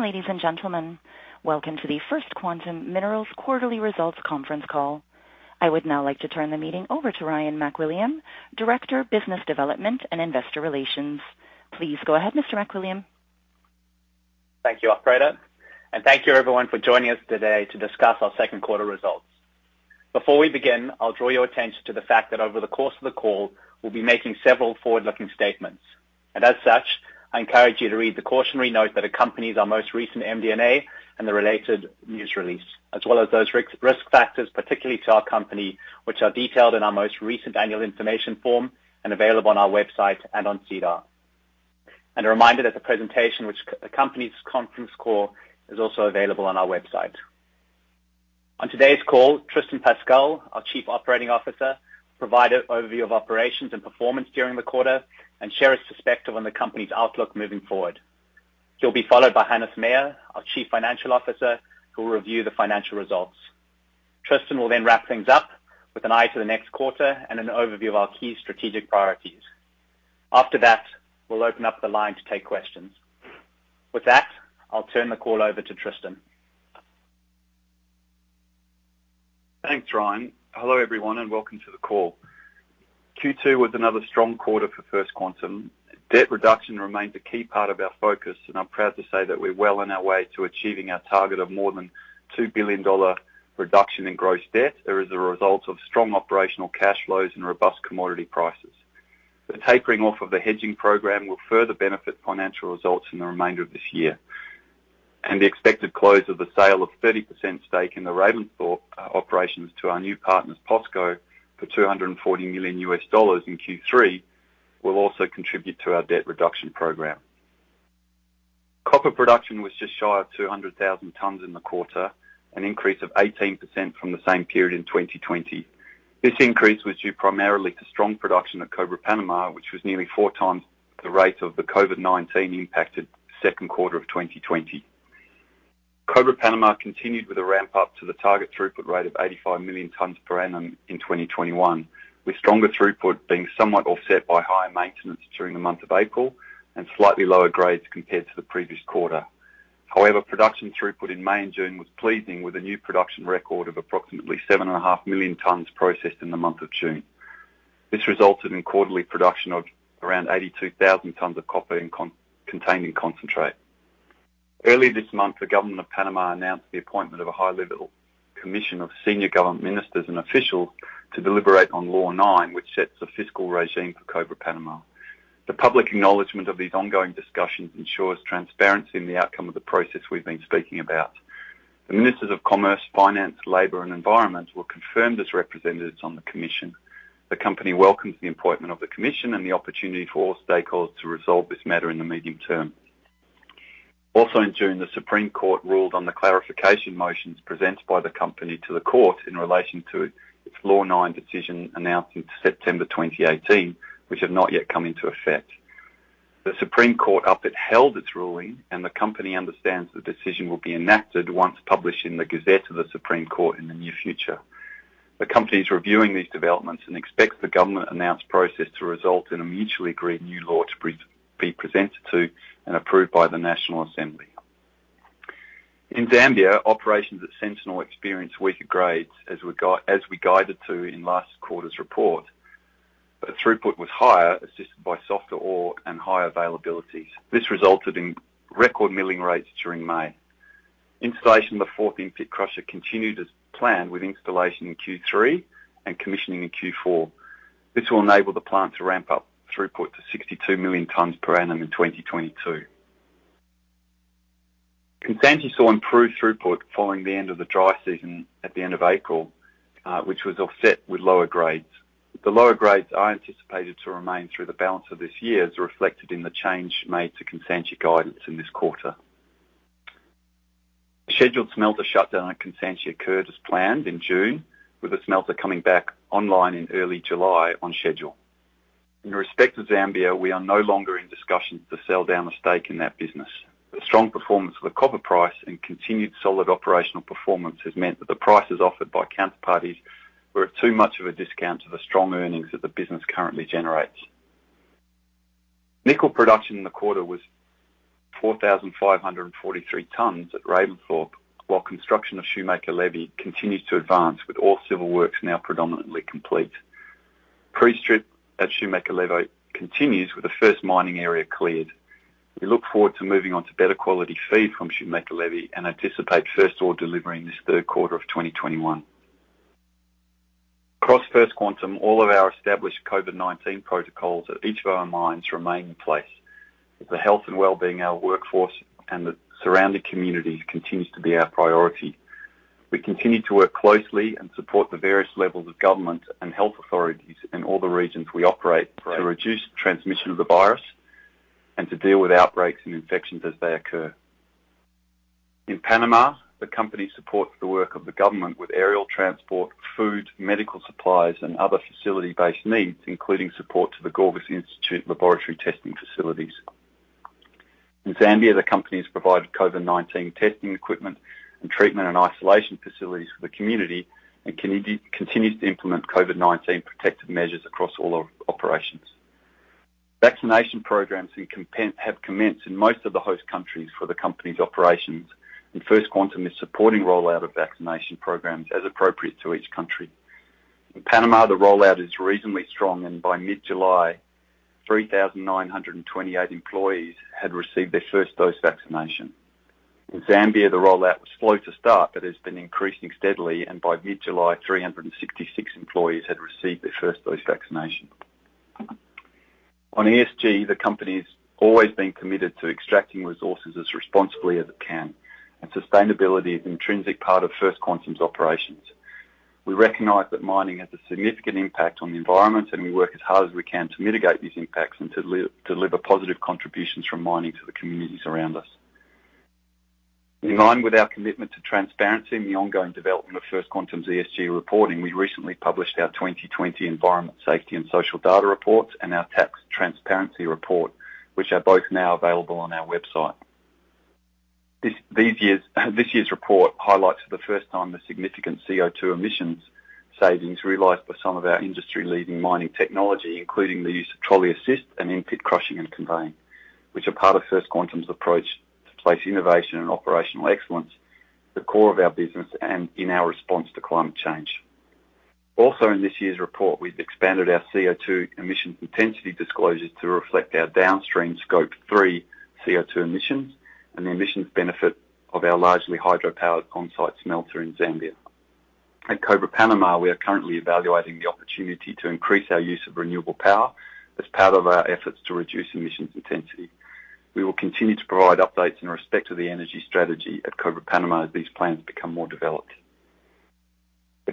Ladies and gentlemen, welcome to the First Quantum Minerals quarterly results conference call. I would now like to turn the meeting over to Ryan MacWilliam, Director of Business Development and Investor Relations. Please go ahead, Mr. MacWilliam. Thank you, operator, and thank you everyone for joining us today to discuss our second quarter results. Before we begin, I'll draw your attention to the fact that over the course of the call, we'll be making several forward-looking statements. As such, I encourage you to read the cautionary note that accompanies our most recent MD&A and the related news release, as well as those risk factors particularly to our company, which are detailed in our most recent annual information form and available on our website and on SEDAR. A reminder that the presentation which accompanies this conference call is also available on our website. On today's call, Tristan Pascall, our Chief Operating Officer, will provide an overview of operations and performance during the quarter and share his perspective on the company's outlook moving forward. He'll be followed by Hannes Meyer, our Chief Financial Officer, who will review the financial results. Tristan will then wrap things up with an eye to the next quarter and an overview of our key strategic priorities. After that, we'll open up the line to take questions. With that, I'll turn the call over to Tristan. Thanks, Ryan. Hello, everyone, and welcome to the call. Q2 was another strong quarter for First Quantum. Debt reduction remained a key part of our focus. I'm proud to say that we're well on our way to achieving our target of more than $2 billion reduction in gross debt. This is a result of strong operational cash flows and robust commodity prices. The tapering off of the hedging program will further benefit financial results in the remainder of this year. The expected close of the sale of 30% stake in the Ravensthorpe operations to our new partners, POSCO, for $240 million in Q3 will also contribute to our debt reduction program. Copper production was just shy of 200,000 tons in the quarter, an increase of 18% from the same period in 2020. This increase was due primarily to strong production at Cobre Panama, which was nearly 4x the rate of the COVID-19 impacted second quarter of 2020. Cobre Panama continued with a ramp-up to the target throughput rate of 85 million tons per annum in 2021, with stronger throughput being somewhat offset by higher maintenance during the month of April and slightly lower grades compared to the previous quarter. However, production throughput in May and June was pleasing with a new production record of approximately 7.5 million tons processed in the month of June. This resulted in quarterly production of around 82,000 tons of copper containing concentrate. Early this month, the government of Panama announced the appointment of a high-level commission of senior government ministers and officials to deliberate on Law 9, which sets the fiscal regime for Cobre Panama. The public acknowledgment of these ongoing discussions ensures transparency in the outcome of the process we've been speaking about. The Ministers of Commerce, Finance, Labor, and Environment were confirmed as representatives on the commission. The company welcomes the appointment of the commission and the opportunity for all stakeholders to resolve this matter in the medium term. In June, the Supreme Court ruled on the clarification motions presented by the company to the court in relation to its Law 9 decision announced in September 2018, which have not yet come into effect. The Supreme Court upheld its ruling, and the company understands the decision will be enacted once published in the Gazette of the Supreme Court in the near future. The company is reviewing these developments and expects the government-announced process to result in a mutually agreed new law to be presented to and approved by the National Assembly. In Zambia, operations at Sentinel experienced weaker grades as we guided to in last quarter's report. Throughput was higher, assisted by softer ore and higher availabilities. This resulted in record milling rates during May. Installation of the fourth in-pit crusher continued as planned with installation in Q3 and commissioning in Q4. This will enable the plant to ramp up throughput to 62 million tons per annum in 2022. Kansanshi saw improved throughput following the end of the dry season at the end of April, which was offset with lower grades. The lower grades are anticipated to remain through the balance of this year, as reflected in the change made to Kansanshi guidance in this quarter. The scheduled smelter shutdown at Kansanshi occurred as planned in June, with the smelter coming back online in early July on schedule. In respect of Zambia, we are no longer in discussions to sell down the stake in that business. The strong performance of the copper price and continued solid operational performance has meant that the prices offered by counterparties were at too much of a discount to the strong earnings that the business currently generates. Nickel production in the quarter was 4,543 tons at Ravensthorpe, while construction of Shoemaker-Levy continues to advance with all civil works now predominantly complete. Pre-strip at Shoemaker-Levy continues with the first mining area cleared. We look forward to moving on to better quality feed from Shoemaker-Levy and anticipate first ore delivery in this third quarter of 2021. Across First Quantum, all of our established COVID-19 protocols at each of our mines remain in place. The health and well-being of our workforce and the surrounding community continues to be our priority. We continue to work closely and support the various levels of government and health authorities in all the regions we operate to reduce transmission of the virus and to deal with outbreaks and infections as they occur. In Panama, the company supports the work of the government with aerial transport, food, medical supplies, and other facility-based needs, including support to the Gorgas Institute laboratory testing facilities. In Zambia, the company has provided COVID-19 testing equipment and treatment and isolation facilities for the community and continues to implement COVID-19 protective measures across all our operations. Vaccination programs have commenced in most of the host countries for the company's operations, and First Quantum is supporting rollout of vaccination programs as appropriate to each country. In Panama, the rollout is reasonably strong, and by mid-July, 3,928 employees had received their first dose vaccination. In Zambia, the rollout was slow to start, but has been increasing steadily, and by mid-July, 366 employees had received their first dose vaccination. On ESG, the company's always been committed to extracting resources as responsibly as it can. Sustainability is an intrinsic part of First Quantum's operations. We recognize that mining has a significant impact on the environment, and we work as hard as we can to mitigate these impacts and to deliver positive contributions from mining to the communities around us. In line with our commitment to transparency and the ongoing development of First Quantum's ESG reporting, we recently published our 2020 environment safety and social data reports and our tax transparency report, which are both now available on our website. This year's report highlights for the first time the significant CO2 emissions savings realized by some of our industry-leading mining technology, including the use of trolley assist and in-pit crushing and conveying, which are part of First Quantum's approach to place innovation and operational excellence at the core of our business and in our response to climate change. Also in this year's report, we've expanded our CO2 emission intensity disclosures to reflect our downstream Scope 3 CO2 emissions and the emissions benefit of our largely hydropower on-site smelter in Zambia. At Cobre Panama, we are currently evaluating the opportunity to increase our use of renewable power as part of our efforts to reduce emissions intensity. We will continue to provide updates in respect of the energy strategy at Cobre Panama as these plans become more developed. The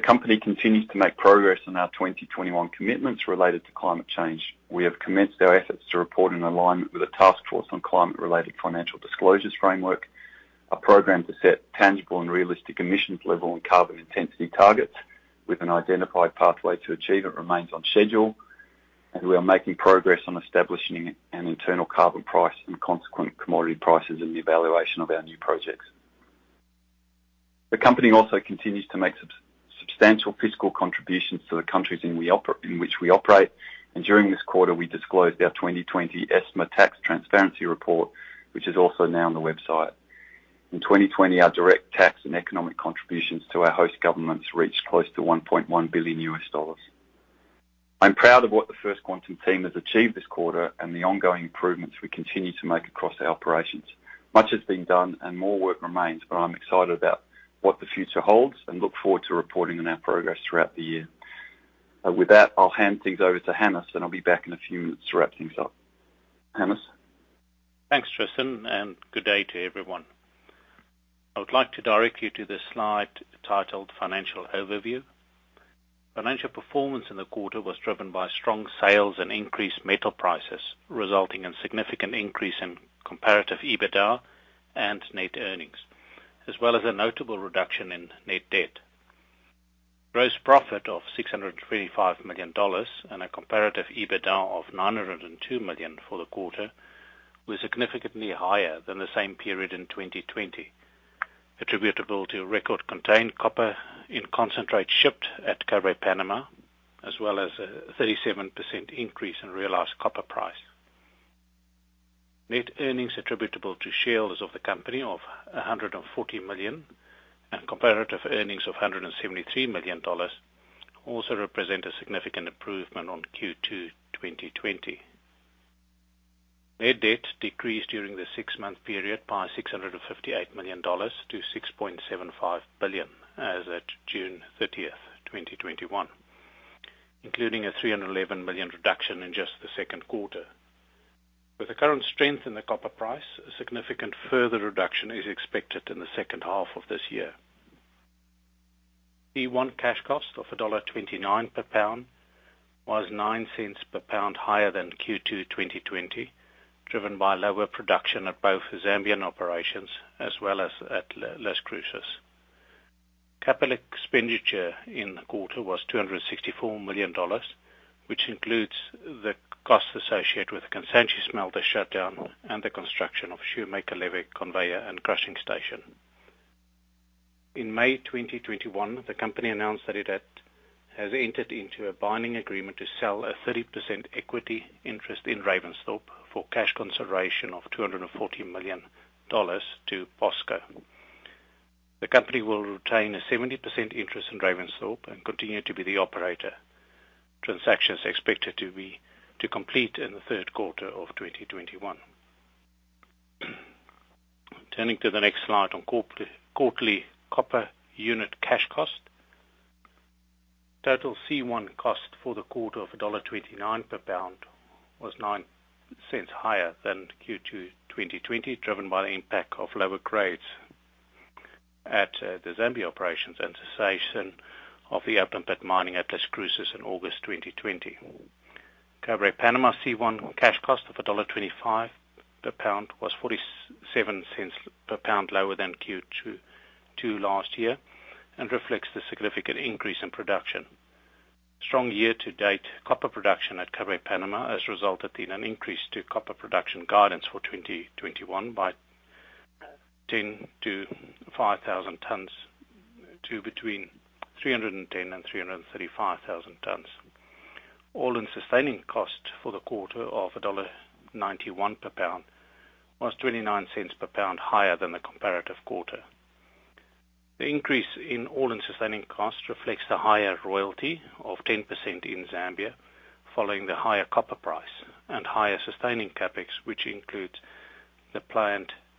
company continues to make progress on our 2021 commitments related to climate change. We have commenced our efforts to report in alignment with the Task Force on Climate-related Financial Disclosures framework. A program to set tangible and realistic emissions level and carbon intensity targets with an identified pathway to achieve it remains on schedule, and we are making progress on establishing an internal carbon price and consequent commodity prices in the evaluation of our new projects. The company also continues to make substantial fiscal contributions to the countries in which we operate. During this quarter, we disclosed our 2020 EITI tax transparency report, which is also now on the website. In 2020, our direct tax and economic contributions to our host governments reached close to $1.1 billion. I'm proud of what the First Quantum team has achieved this quarter and the ongoing improvements we continue to make across our operations. Much has been done and more work remains. I'm excited about what the future holds and look forward to reporting on our progress throughout the year. With that, I'll hand things over to Hannes, and I'll be back in a few minutes to wrap things up. Hannes? Thanks, Tristan. Good day to everyone. I would like to direct you to the slide titled Financial Overview. Financial performance in the quarter was driven by strong sales and increased metal prices, resulting in significant increase in comparative EBITDA and net earnings, as well as a notable reduction in net debt. Gross profit of $625 million and a comparative EBITDA of $902 million for the quarter was significantly higher than the same period in 2020, attributable to a record contained copper in concentrate shipped at Cobre Panama, as well as a 37% increase in realized copper price. Net earnings attributable to shareholders of the company of $140 million and comparative earnings of $173 million also represent a significant improvement on Q2 2020. Net debt decreased during the 6-month period by $658 million to $6.75 billion as at June 30th, 2021, including a $311 million reduction in just the second quarter. With the current strength in the copper price, a significant further reduction is expected in the second half of this year. C1 cash cost of $1.29 per pound was $0.09 per pound higher than Q2 2020, driven by lower production at both Zambian operations as well as at Las Cruces. Capital expenditure in the quarter was $264 million, which includes the costs associated with the Kansanshi smelter shutdown and the construction of the Shoemaker-Levy conveyor and crushing station. In May 2021, the company announced that it has entered into a binding agreement to sell a 30% equity interest in Ravensthorpe for cash consideration of $240 million to POSCO. The company will retain a 70% interest in Ravensthorpe and continue to be the operator. Transaction is expected to complete in the third quarter of 2021. Turning to the next slide on quarterly copper unit cash cost. Total C1 cost for the quarter of $1.29 per pound was $0.09 higher than Q2 2020, driven by the impact of lower grades at the Zambia operations and cessation of the open pit mining at Las Cruces in August 2020. Cobre Panama C1 cash cost of $1.25 per pound was $0.47 per pound lower than Q2 last year and reflects the significant increase in production. Strong year-to-date copper production at Cobre Panama has resulted in an increase to copper production guidance for 2021 by 10 to 5,000 tons to between 310,000 and 335,000 tons. All-in sustaining cost for the quarter of $1.91 per pound was $0.29 per pound higher than the comparative quarter. The increase in all-in sustaining cost reflects the higher royalty of 10% in Zambia following the higher copper price and higher sustaining CapEx, which includes the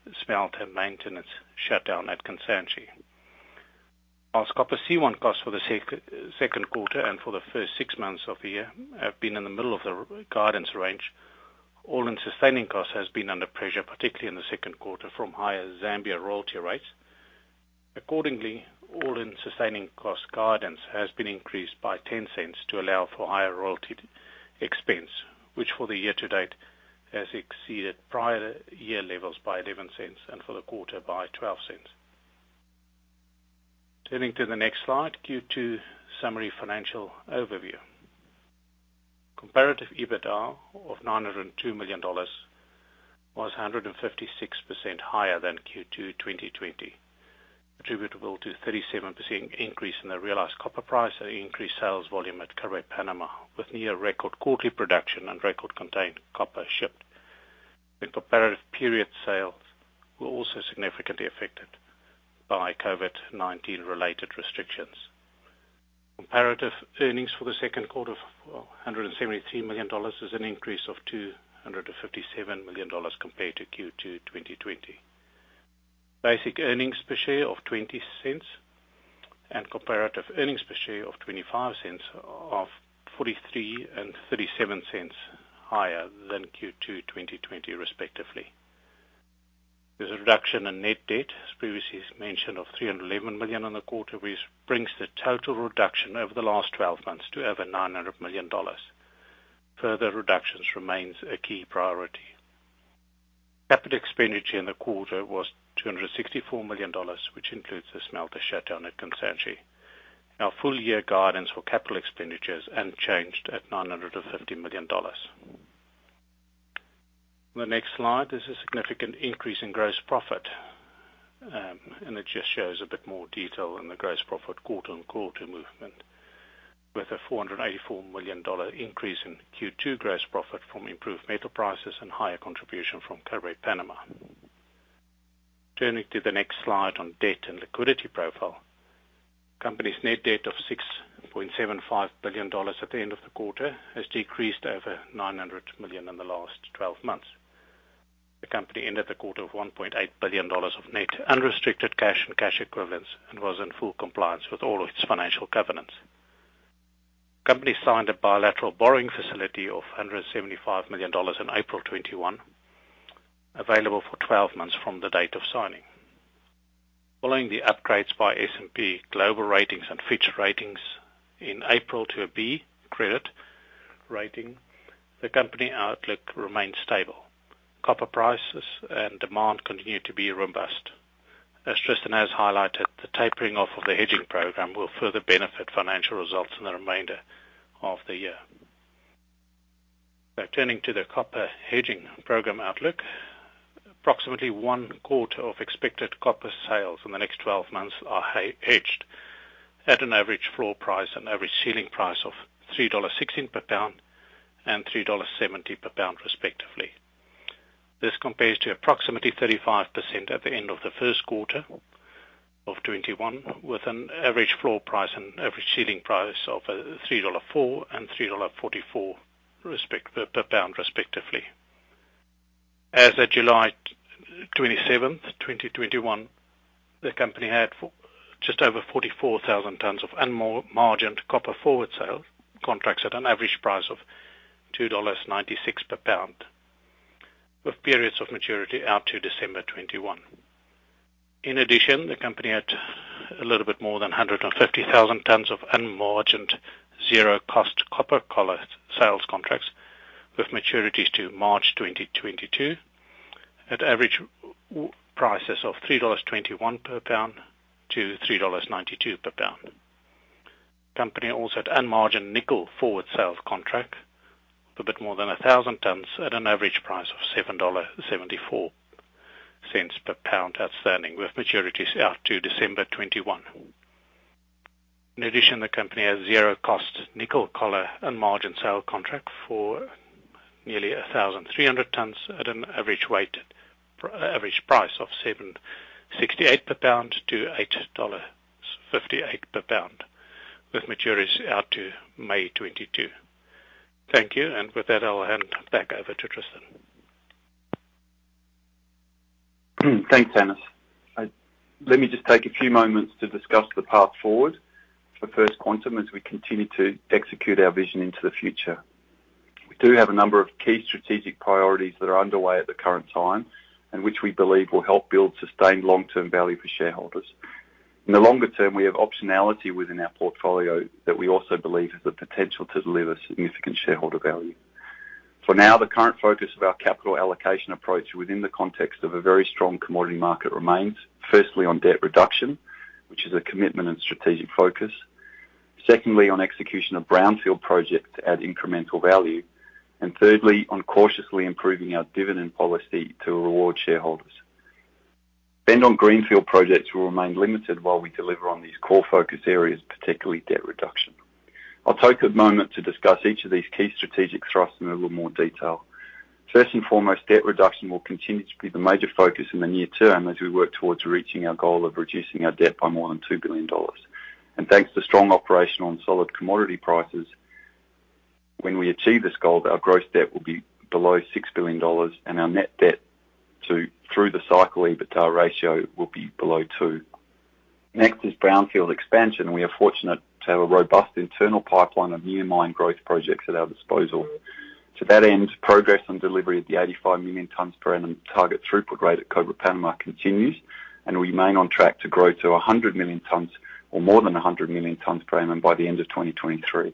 planned smelter maintenance shutdown at Kansanshi. As copper C1 costs for the second quarter and for the first six months of the year have been in the middle of the guidance range, all-in sustaining cost has been under pressure, particularly in the second quarter from higher Zambia royalty rates. Accordingly, all-in sustaining cost guidance has been increased by $0.10 to allow for higher royalty expense, which for the year to date has exceeded prior year levels by $0.11 and for the quarter by $0.12. Turning to the next slide, Q2 summary financial overview. Comparative EBITDA of $902 million was 156% higher than Q2 2020, attributable to 37% increase in the realized copper price and increased sales volume at Cobre Panama, with near record quarterly production and record contained copper shipped. The comparative period sales were also significantly affected by COVID-19 related restrictions. Comparative earnings for the second quarter of $173 million is an increase of $257 million compared to Q2 2020. Basic earnings per share of $0.20 and comparative earnings per share of $0.25 of $0.43 and $0.37 higher than Q2 2020 respectively. There's a reduction in net debt, as previously mentioned, of $311 million in the quarter, which brings the total reduction over the last 12 months to over $900 million. Further reductions remains a key priority. Capital expenditure in the quarter was $264 million, which includes the smelter shutdown at Kansanshi. Our full year guidance for capital expenditures unchanged at $950 million. The next slide is a significant increase in gross profit, and it just shows a bit more detail on the gross profit quarter-on-quarter movement with a $484 million increase in Q2 gross profit from improved metal prices and higher contribution from Cobre Panama. Turning to the next slide on debt and liquidity profile. Company's net debt of $6.75 billion at the end of the quarter has decreased over $900 million in the last 12 months. The company ended the quarter of $1.8 billion of net unrestricted cash and cash equivalents and was in full compliance with all of its financial covenants. Company signed a bilateral borrowing facility of $175 million in April 2021, available for 12 months from the date of signing. Following the upgrades by S&P Global Ratings and Fitch Ratings in April to a B credit rating, the company outlook remains stable. Copper prices and demand continue to be robust. As Tristan has highlighted, the tapering off of the hedging program will further benefit financial results in the remainder of the year. Now turning to the copper hedging program outlook. Approximately one quarter of expected copper sales in the next 12 months are hedged at an average floor price and average ceiling price of $3.16 per pound and $3.70 per pound, respectively. This compares to approximately 35% at the end of the first quarter of 2021, with an average floor price and average ceiling price of $3.04 and $3.44 per pound, respectively. As of July 27th, 2021, the company had just over 44,000 tons of unmargined copper forward sale contracts at an average price of $2.96 per pound, with periods of maturity out to December 2021. In addition, the company had a little bit more than 150,000 tons of unmargined zero-cost copper collar sales contracts with maturities to March 2022 at average prices of $3.21 per pound to $3.92 per pound. Company also had unmargined nickel forward sales contract of a bit more than 1,000 tons at an average price of $7.74 per pound, outstanding, with maturities out to December 2021. In addition, the company has zero cost nickel collar unmargined sale contract for nearly 1,300 tons at an average price of $7.68 per pound to $8.58 per pound, with maturities out to May 2022. Thank you. With that, I'll hand back over to Tristan. Thanks, Hannes. Let me just take a few moments to discuss the path forward for First Quantum as we continue to execute our vision into the future. We do have a number of key strategic priorities that are underway at the current time, and which we believe will help build sustained long-term value for shareholders. In the longer term, we have optionality within our portfolio that we also believe has the potential to deliver significant shareholder value. For now, the current focus of our capital allocation approach within the context of a very strong commodity market remains firstly on debt reduction, which is a commitment and strategic focus. Secondly, on execution of brownfield projects to add incremental value. Thirdly, on cautiously improving our dividend policy to reward shareholders. Spend on greenfield projects will remain limited while we deliver on these core focus areas, particularly debt reduction. I'll take a moment to discuss each of these key strategic thrusts in a little more detail. First and foremost, debt reduction will continue to be the major focus in the near term as we work towards reaching our goal of reducing our debt by more than $2 billion. Thanks to strong operational and solid commodity prices, when we achieve this goal, our gross debt will be below $6 billion and our net debt through the cycle EBITDA ratio will be below 2. Next is brownfield expansion. We are fortunate to have a robust internal pipeline of near mine growth projects at our disposal. To that end, progress on delivery of the 85 million tons per annum target throughput rate at Cobre Panama continues, and we remain on track to grow to 100 million tons or more than 100 million tons per annum by the end of 2023.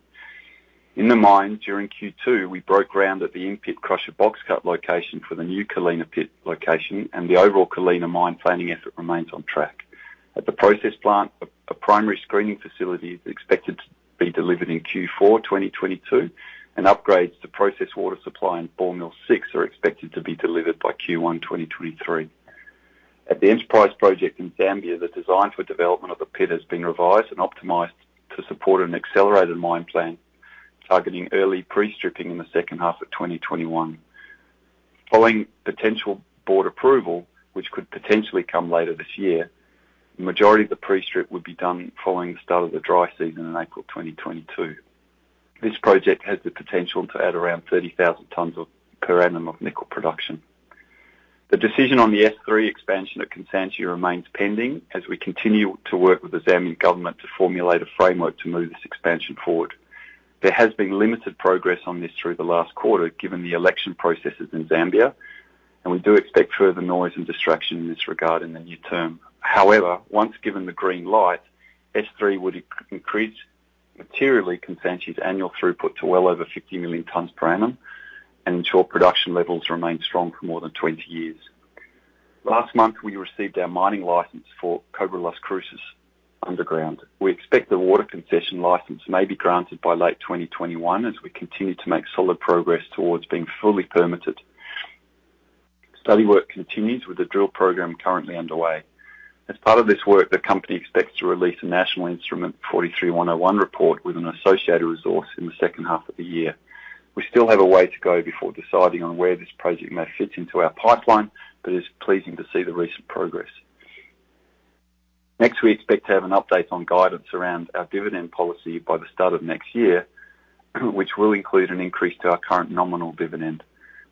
In the mine, during Q2, we broke ground at the in-pit crusher box cut location for the new Colina pit location, and the overall Colina mine planning effort remains on track. At the process plant, a primary screening facility is expected to be delivered in Q4 2022, and upgrades to process water supply and ball mill six are expected to be delivered by Q1 2023. At the Enterprise project in Zambia, the design for development of the pit has been revised and optimized to support an accelerated mine plan, targeting early pre-stripping in the second half of 2021. Following potential board approval, which could potentially come later this year, the majority of the pre-strip would be done following the start of the dry season in April 2022. This project has the potential to add around 30,000 tons per annum of nickel production. The decision on the S3 expansion at Kansanshi remains pending as we continue to work with the Zambian government to formulate a framework to move this expansion forward. There has been limited progress on this through the last quarter, given the election processes in Zambia, and we do expect further noise and distraction in this regard in the near term. However, once given the green light, S3 would increase materially Kansanshi's annual throughput to well over 50 million tons per annum and ensure production levels remain strong for more than 20 years. Last month, we received our mining license for Cobre Las Cruces underground. We expect the water concession license may be granted by late 2021 as we continue to make solid progress towards being fully permitted. Study work continues with the drill program currently underway. As part of this work, the company expects to release a National Instrument 43-101 report with an associated resource in the second half of the year. We still have a way to go before deciding on where this project may fit into our pipeline, but it's pleasing to see the recent progress. We expect to have an update on guidance around our dividend policy by the start of next year, which will include an increase to our current nominal dividend.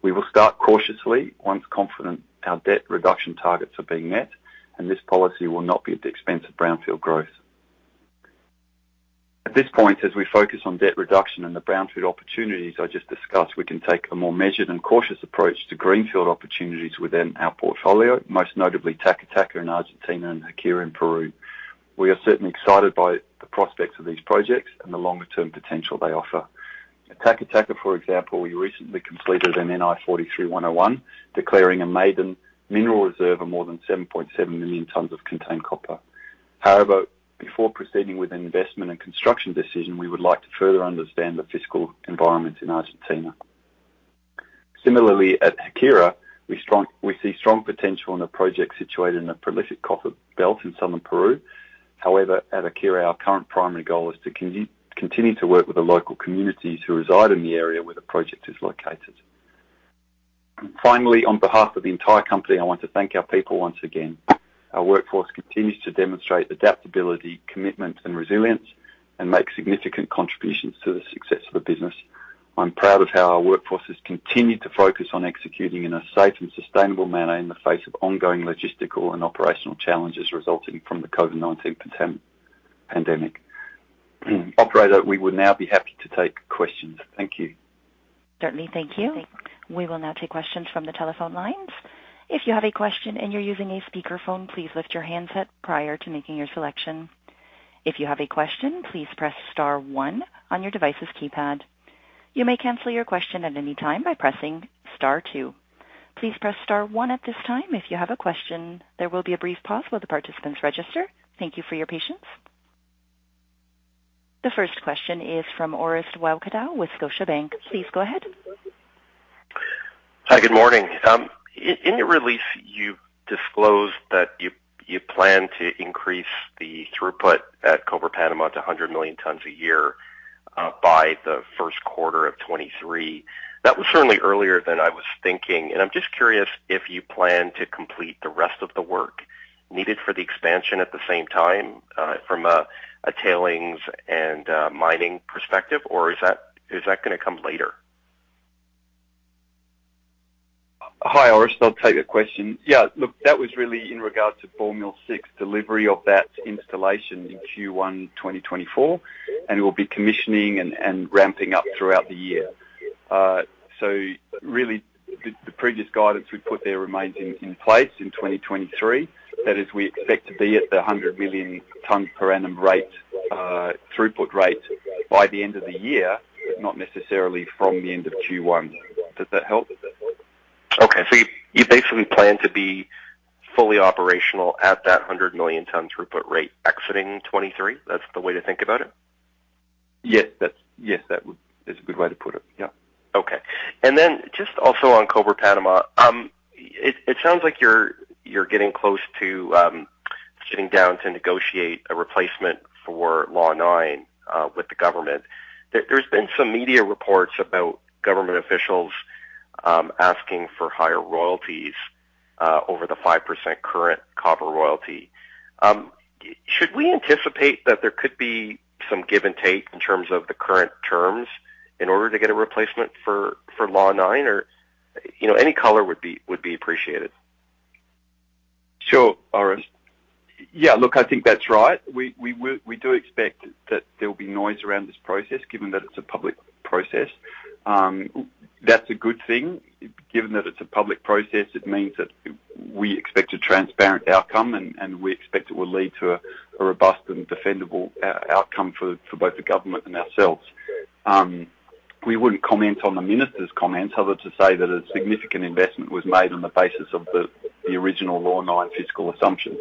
We will start cautiously once confident our debt reduction targets are being met, and this policy will not be at the expense of brownfield growth. At this point, as we focus on debt reduction and the brownfield opportunities I just discussed, we can take a more measured and cautious approach to greenfield opportunities within our portfolio, most notably Taca Taca in Argentina and Haquira in Peru. We are certainly excited by the prospects of these projects and the longer-term potential they offer. At Taca Taca, for example, we recently completed an NI 43-101 declaring a maiden mineral reserve of more than 7.7 million tons of contained copper. However, before proceeding with an investment and construction decision, we would like to further understand the fiscal environment in Argentina. Similarly, at Haquira, we see strong potential in a project situated in a prolific copper belt in southern Peru. However, at Haquira, our current primary goal is to continue to work with the local communities who reside in the area where the project is located. Finally, on behalf of the entire company, I want to thank our people once again. Our workforce continues to demonstrate adaptability, commitment, and resilience and make significant contributions to the success of the business. I'm proud of how our workforce has continued to focus on executing in a safe and sustainable manner in the face of ongoing logistical and operational challenges resulting from the COVID-19 pandemic. Operator, we would now be happy to take questions. Thank you. Certainly. Thank you. We will now take questions from the telephone lines. If you have a question and you're using a speakerphone, please lift your handset prior to making your selection. If you have a question, please press star one on your device's keypad. You may cancel your question at any time by pressing star two. Please press star one at this time if you have a question. There will be a brief pause while the participants register. Thank you for your patience. The first question is from Orest Wowkodaw with Scotiabank. Please go ahead. Hi, good morning. In your release, you disclosed that you plan to increase the throughput at Cobre Panama to 100 million tons a year, by the first quarter of 2023. That was certainly earlier than I was thinking. And I'm just curious if you plan to complete the rest of the work needed for the expansion at the same time, from a tailings and mining perspective, or is that going to come later? Hi, Orest. I'll take the question. That was really in regards to ball mill 6 delivery of that installation in Q1 2024. We'll be commissioning and ramping up throughout the year. The previous guidance we put there remains in place in 2023. That is, we expect to be at the 100 million ton per annum rate, throughput rate by the end of the year, not necessarily from the end of Q1. Does that help? Okay. You basically plan to be fully operational at that 100 million ton throughput rate exiting 2023? That's the way to think about it? Yes, that is a good way to put it. Yep. Okay. Just also on Cobre Panama. It sounds like you're getting close to sitting down to negotiate a replacement for Law 9 with the government. There's been some media reports about government officials asking for higher royalties over the 5% current copper royalty. Should we anticipate that there could be some give and take in terms of the current terms in order to get a replacement for Law 9? Any color would be appreciated. Sure, Orest. Yeah, look, I think that's right. We do expect that there'll be noise around this process, given that it's a public process. That's a good thing. Given that it's a public process, it means that we expect a transparent outcome, and we expect it will lead to a robust and defendable outcome for both the government and ourselves. We wouldn't comment on the minister's comments other to say that a significant investment was made on the basis of the original Law 9 fiscal assumptions.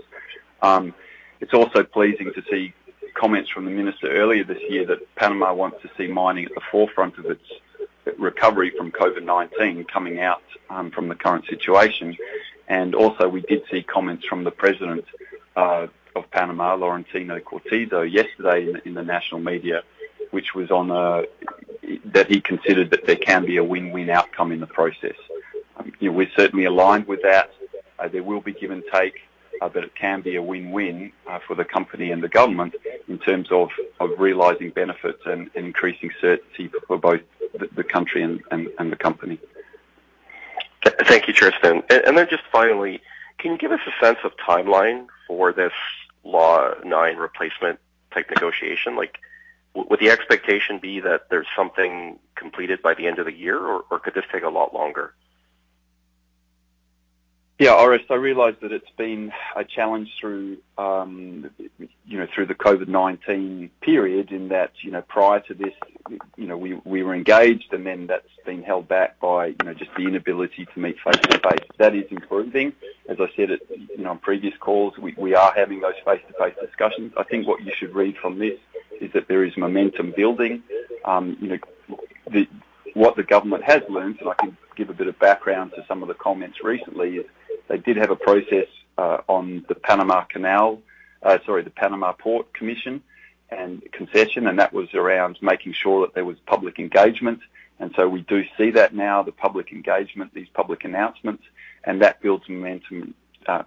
It's also pleasing to see comments from the minister earlier this year that Panama wants to see mining at the forefront of its recovery from COVID-19, coming out from the current situation. Also we did see comments from the President of Panama, Laurentino Cortizo, yesterday in the national media, that he considered that there can be a win-win outcome in the process. We're certainly aligned with that. There will be give and take, but it can be a win-win for the company and the government in terms of realizing benefits and increasing certainty for both the country and the company. Thank you, Tristan. Just finally, can you give us a sense of timeline for this Law 9 replacement type negotiation? Would the expectation be that there's something completed by the end of the year? Could this take a lot longer? Yeah, Orest, I realize that it's been a challenge through the COVID-19 period in that, prior to this, we were engaged, and then that's been held back by just the inability to meet face-to-face. That is improving. As I said on previous calls, we are having those face-to-face discussions. I think what you should read from this is that there is momentum building. What the government has learned, and I can give a bit of background to some of the comments recently, is they did have a process on the Panama Port concession, and that was around making sure that there was public engagement. So we do see that now, the public engagement, these public announcements, and that builds momentum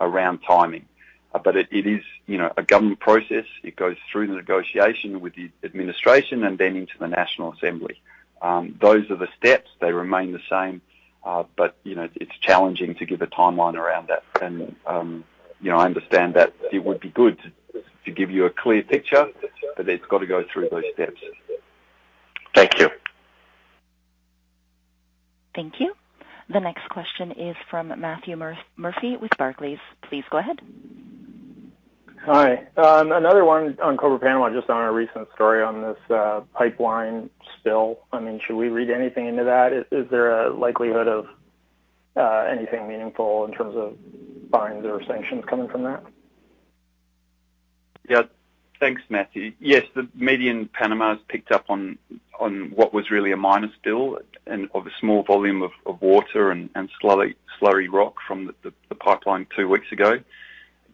around timing. It is a government process. It goes through the negotiation with the administration and then into the National Assembly. Those are the steps. They remain the same. It's challenging to give a timeline around that. I understand that it would be good to give you a clear picture, but it's got to go through those steps. Thank you. Thank you. The next question is from Matthew Murphy with Barclays. Please go ahead. Hi. Another one on Cobre Panama, just on a recent story on this pipeline spill. Should we read anything into that? Is there a likelihood of anything meaningful in terms of fines or sanctions coming from that? Thanks, Matthew. Yes, the media in Panama has picked up on what was really a minor spill of a small volume of water and slurry rock from the pipeline two weeks ago.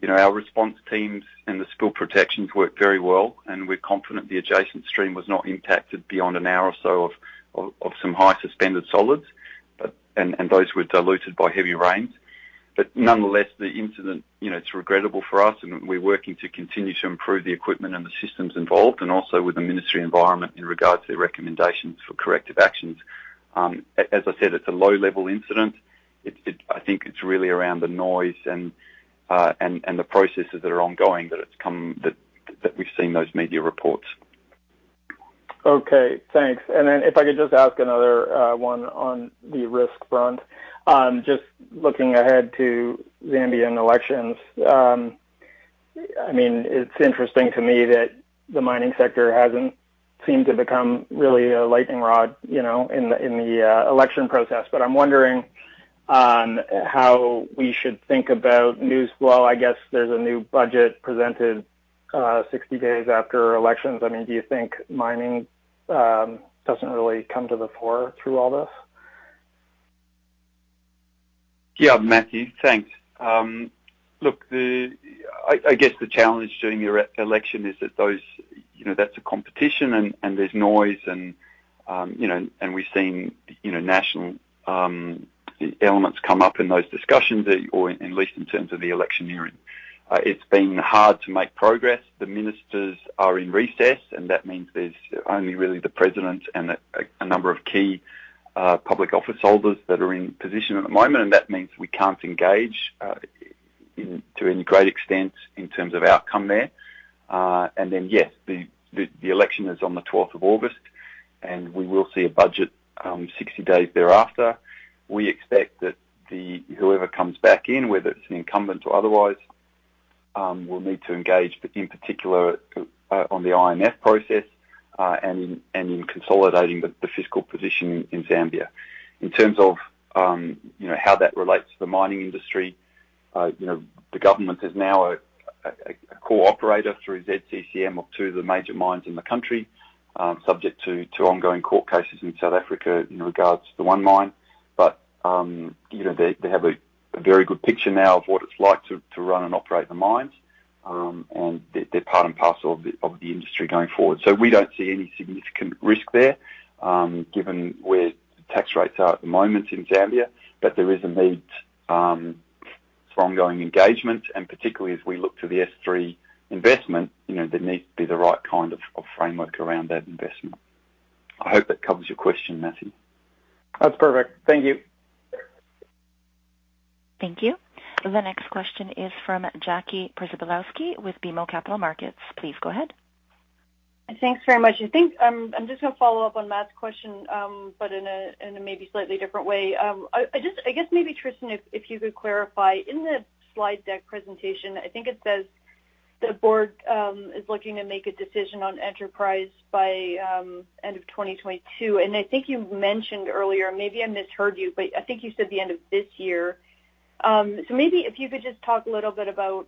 Our response teams and the spill protections worked very well. We're confident the adjacent stream was not impacted beyond an hour or so of some high suspended solids, and those were diluted by heavy rains. Nonetheless, the incident, it's regrettable for us, and we're working to continue to improve the equipment and the systems involved, and also with the ministry environment in regards to their recommendations for corrective actions. As I said, it's a low-level incident. I think it's really around the noise and the processes that are ongoing that we've seen those media reports. Okay, thanks. If I could just ask another one on the risk front. Just looking ahead to Zambian elections. It's interesting to me that the mining sector hasn't seemed to become really a lightning rod in the election process. I'm wondering on how we should think about news. Well, I guess there's a new budget presented 60 days after elections. Do you think mining doesn't really come to the fore through all this? Yeah, Matthew. Thanks. Look, I guess the challenge during the election is that's a competition and there's noise, and we've seen national elements come up in those discussions, or at least in terms of the electioneering. It's been hard to make progress. The ministers are in recess, and that means there's only really the president and a number of key public office holders that are in position at the moment, and that means we can't engage to any great extent in terms of outcome there. Yes, the election is on the 12th of August, and we will see a budget 60 days thereafter. We expect that whoever comes back in, whether it's an incumbent or otherwise, we'll need to engage, in particular, on the IMF process, and in consolidating the fiscal position in Zambia. In terms of how that relates to the mining industry, the government is now a core operator through ZCCM of two of the major mines in the country, subject to ongoing court cases in South Africa in regards to the one mine. They have a very good picture now of what it's like to run and operate the mines, and they're part and parcel of the industry going forward. We don't see any significant risk there, given where tax rates are at the moment in Zambia. There is a need for ongoing engagement, and particularly as we look to the S3 investment, there needs to be the right kind of framework around that investment. I hope that covers your question, Matthew. That's perfect. Thank you. Thank you. The next question is from Jackie Przybylowski with BMO Capital Markets. Please go ahead. Thanks very much. I think I'm just going to follow up on Matt's question, but in a maybe slightly different way. I guess, maybe, Tristan, if you could clarify. In the slide deck presentation, I think it says the board is looking to make a decision on Enterprise by end of 2022. I think you mentioned earlier, maybe I misheard you, but I think you said the end of this year. Maybe if you could just talk a little bit about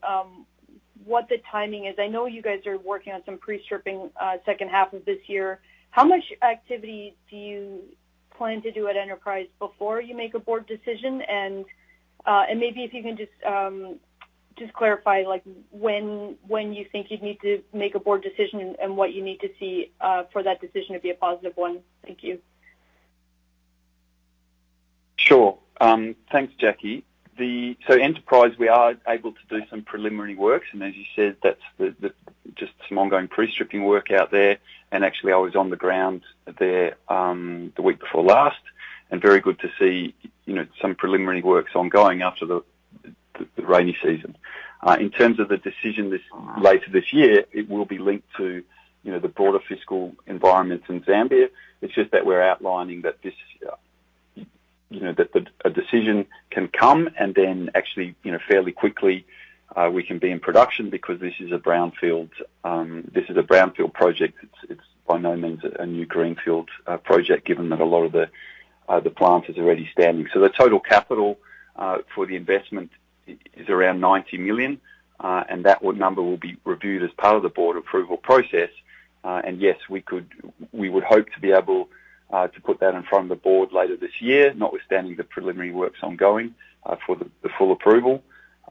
what the timing is. I know you guys are working on some pre-stripping second half of this year. How much activity do you plan to do at Enterprise before you make a board decision? Maybe if you can just clarify when you think you'd need to make a board decision and what you need to see for that decision to be a positive one. Thank you. Sure. Thanks, Jackie. Enterprise, we are able to do some preliminary works, and as you said, that's just some ongoing pre-stripping work out there. Actually, I was on the ground there the week before last, and very good to see some preliminary works ongoing after the rainy season. In terms of the decision later this year, it will be linked to the broader fiscal environment in Zambia. It's just that we're outlining that a decision can come and then actually, fairly quickly, we can be in production because this is a brownfield project. It's by no means a new greenfield project, given that a lot of the plant is already standing. The total capital for the investment is around $90 million, and that number will be reviewed as part of the board approval process. Yes, we would hope to be able to put that in front of the board later this year, notwithstanding the preliminary works ongoing for the full approval.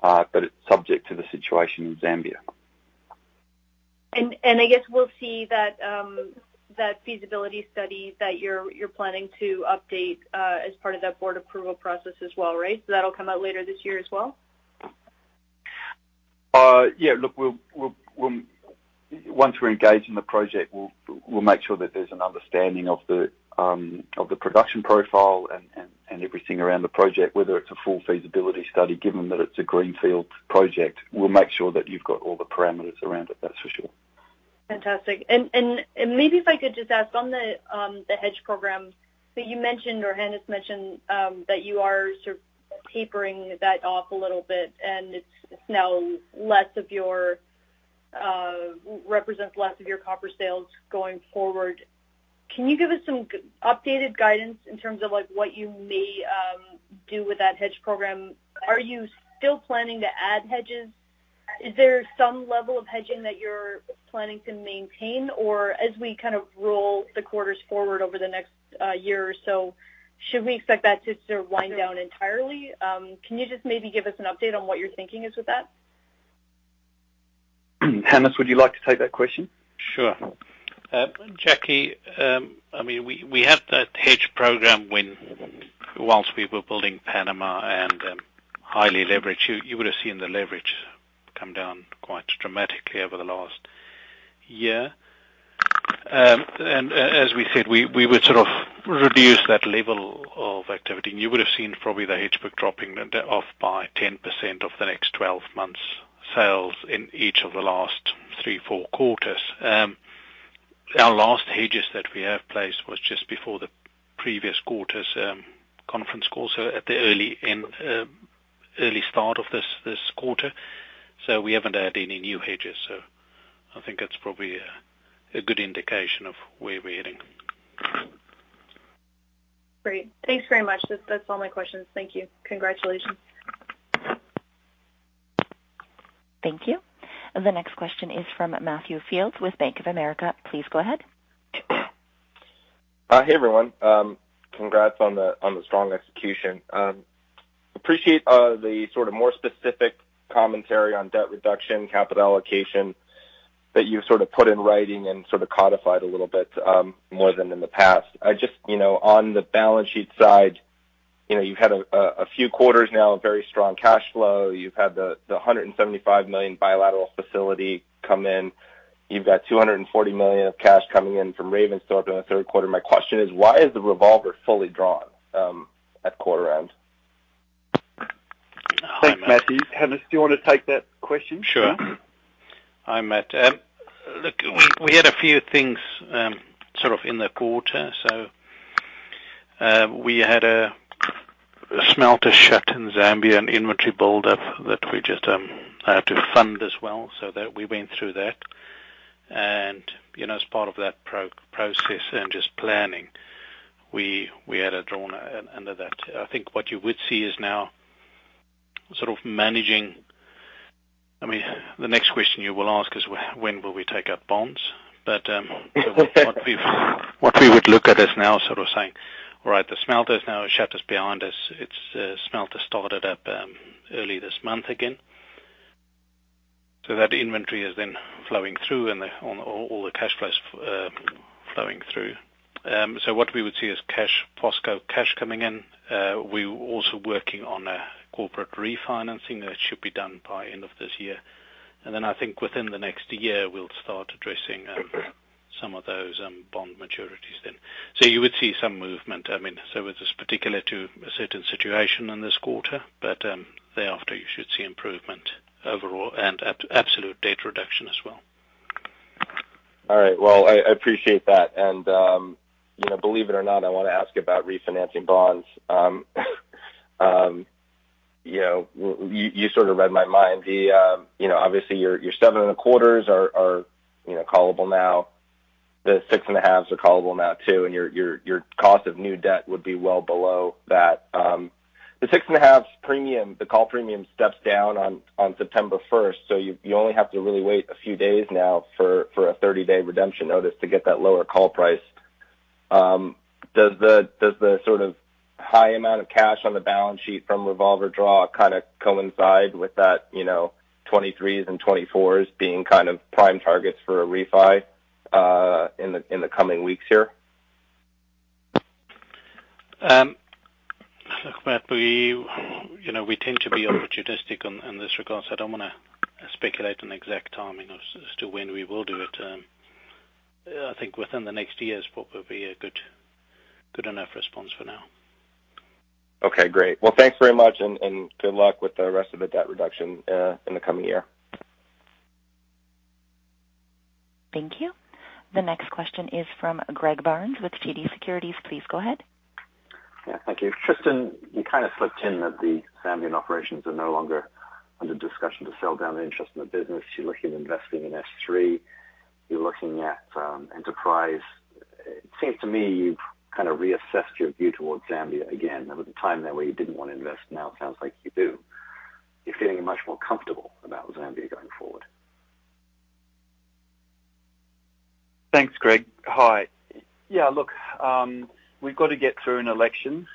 It's subject to the situation in Zambia. I guess we'll see that feasibility study that you're planning to update as part of that board approval process as well, right? That'll come out later this year as well? Yeah. Look, once we're engaged in the project, we'll make sure that there's an understanding of the production profile and everything around the project, whether it's a full feasibility study, given that it's a greenfield project. We'll make sure that you've got all the parameters around it, that's for sure. Fantastic. Maybe if I could just ask on the hedge program. You mentioned, or Hannes mentioned, that you are sort of tapering that off a little bit, and it now represents less of your copper sales going forward. Can you give us some updated guidance in terms of what you may do with that hedge program? Are you still planning to add hedges? Is there some level of hedging that you're planning to maintain? As we kind of roll the quarters forward over the next year or so, should we expect that to sort of wind down entirely? Can you just maybe give us an update on what your thinking is with that? Hannes, would you like to take that question? Sure. Jackie, we had that hedge program while we were building Panama and highly leveraged. You would have seen the leverage come down quite dramatically over the last year. As we said, we would sort of reduce that level of activity. You would have seen probably the hedge book dropping off by 10% of the next 12 months' sales in each of the last three, four quarters. Our last hedges that we have placed was just before the previous quarter's conference call, so at the early start of this quarter. We haven't had any new hedges. I think that's probably a good indication of where we're heading. Great. Thanks very much. That's all my questions. Thank you. Congratulations. Thank you. The next question is from Matthew Fields with Bank of America. Please go ahead. Hey, everyone. Congrats on the strong execution. Appreciate the sort of more specific commentary on debt reduction, capital allocation that you've sort of put in writing and sort of codified a little bit more than in the past. Just on the balance sheet side, you've had a few quarters now of very strong cash flow. You've had the $175 million bilateral facility come in. You've got $240 million of cash coming in from Ravensthorpe in the third quarter. My question is, why is the revolver fully drawn at quarter end? Thanks, Matthew. Hannes, do you want to take that question? Sure. Hi, Matt. Look, we had a few things sort of in the quarter, so We had a smelter shut in Zambia and inventory buildup that we just had to fund as well, so we went through that. As part of that process and just planning, we had a draw under that. I think what you would see is now sort of managing I mean, the next question you will ask is when will we take up bonds? What we would look at is now sort of saying, "All right." The smelter is now shut. It's behind us. Its smelter started up early this month again. That inventory is then flowing through and all the cash flows flowing through. What we would see is cash, POSCO, cash coming in. We're also working on a corporate refinancing that should be done by end of this year. I think within the next year, we'll start addressing some of those bond maturities then. You would see some movement. I mean, it was particular to a certain situation in this quarter. Thereafter, you should see improvement overall and absolute debt reduction as well. All right. Well, I appreciate that. Believe it or not, I want to ask about refinancing bonds. You sort of read my mind. Obviously, your seven and a quarters are callable now. The six and a halves are callable now, too. Your cost of new debt would be well below that. The six and a halves premium, the call premium steps down on September 1st. You only have to really wait a few days now for a 30-day redemption notice to get that lower call price. Does the sort of high amount of cash on the balance sheet from revolver draw kind of coincide with that, 2023s and 2024s being kind of prime targets for a refi, in the coming weeks here? Look, Matt, we tend to be opportunistic in this regard, so I don't want to speculate on exact timing as to when we will do it. I think within the next year is probably a good enough response for now. Okay, great. Well, thanks very much and good luck with the rest of the debt reduction in the coming year. Thank you. The next question is from Greg Barnes with TD Securities. Please go ahead. Thank you. Tristan, you kind of slipped in that the Zambian operations are no longer under discussion to sell down the interest in the business. You're looking at investing in S3. You're looking at enterprise. It seems to me you've kind of reassessed your view towards Zambia again. There was a time there where you didn't want to invest. Now it sounds like you do. You're feeling much more comfortable about Zambia going forward. Thanks, Greg. Hi. We've got to get through an election,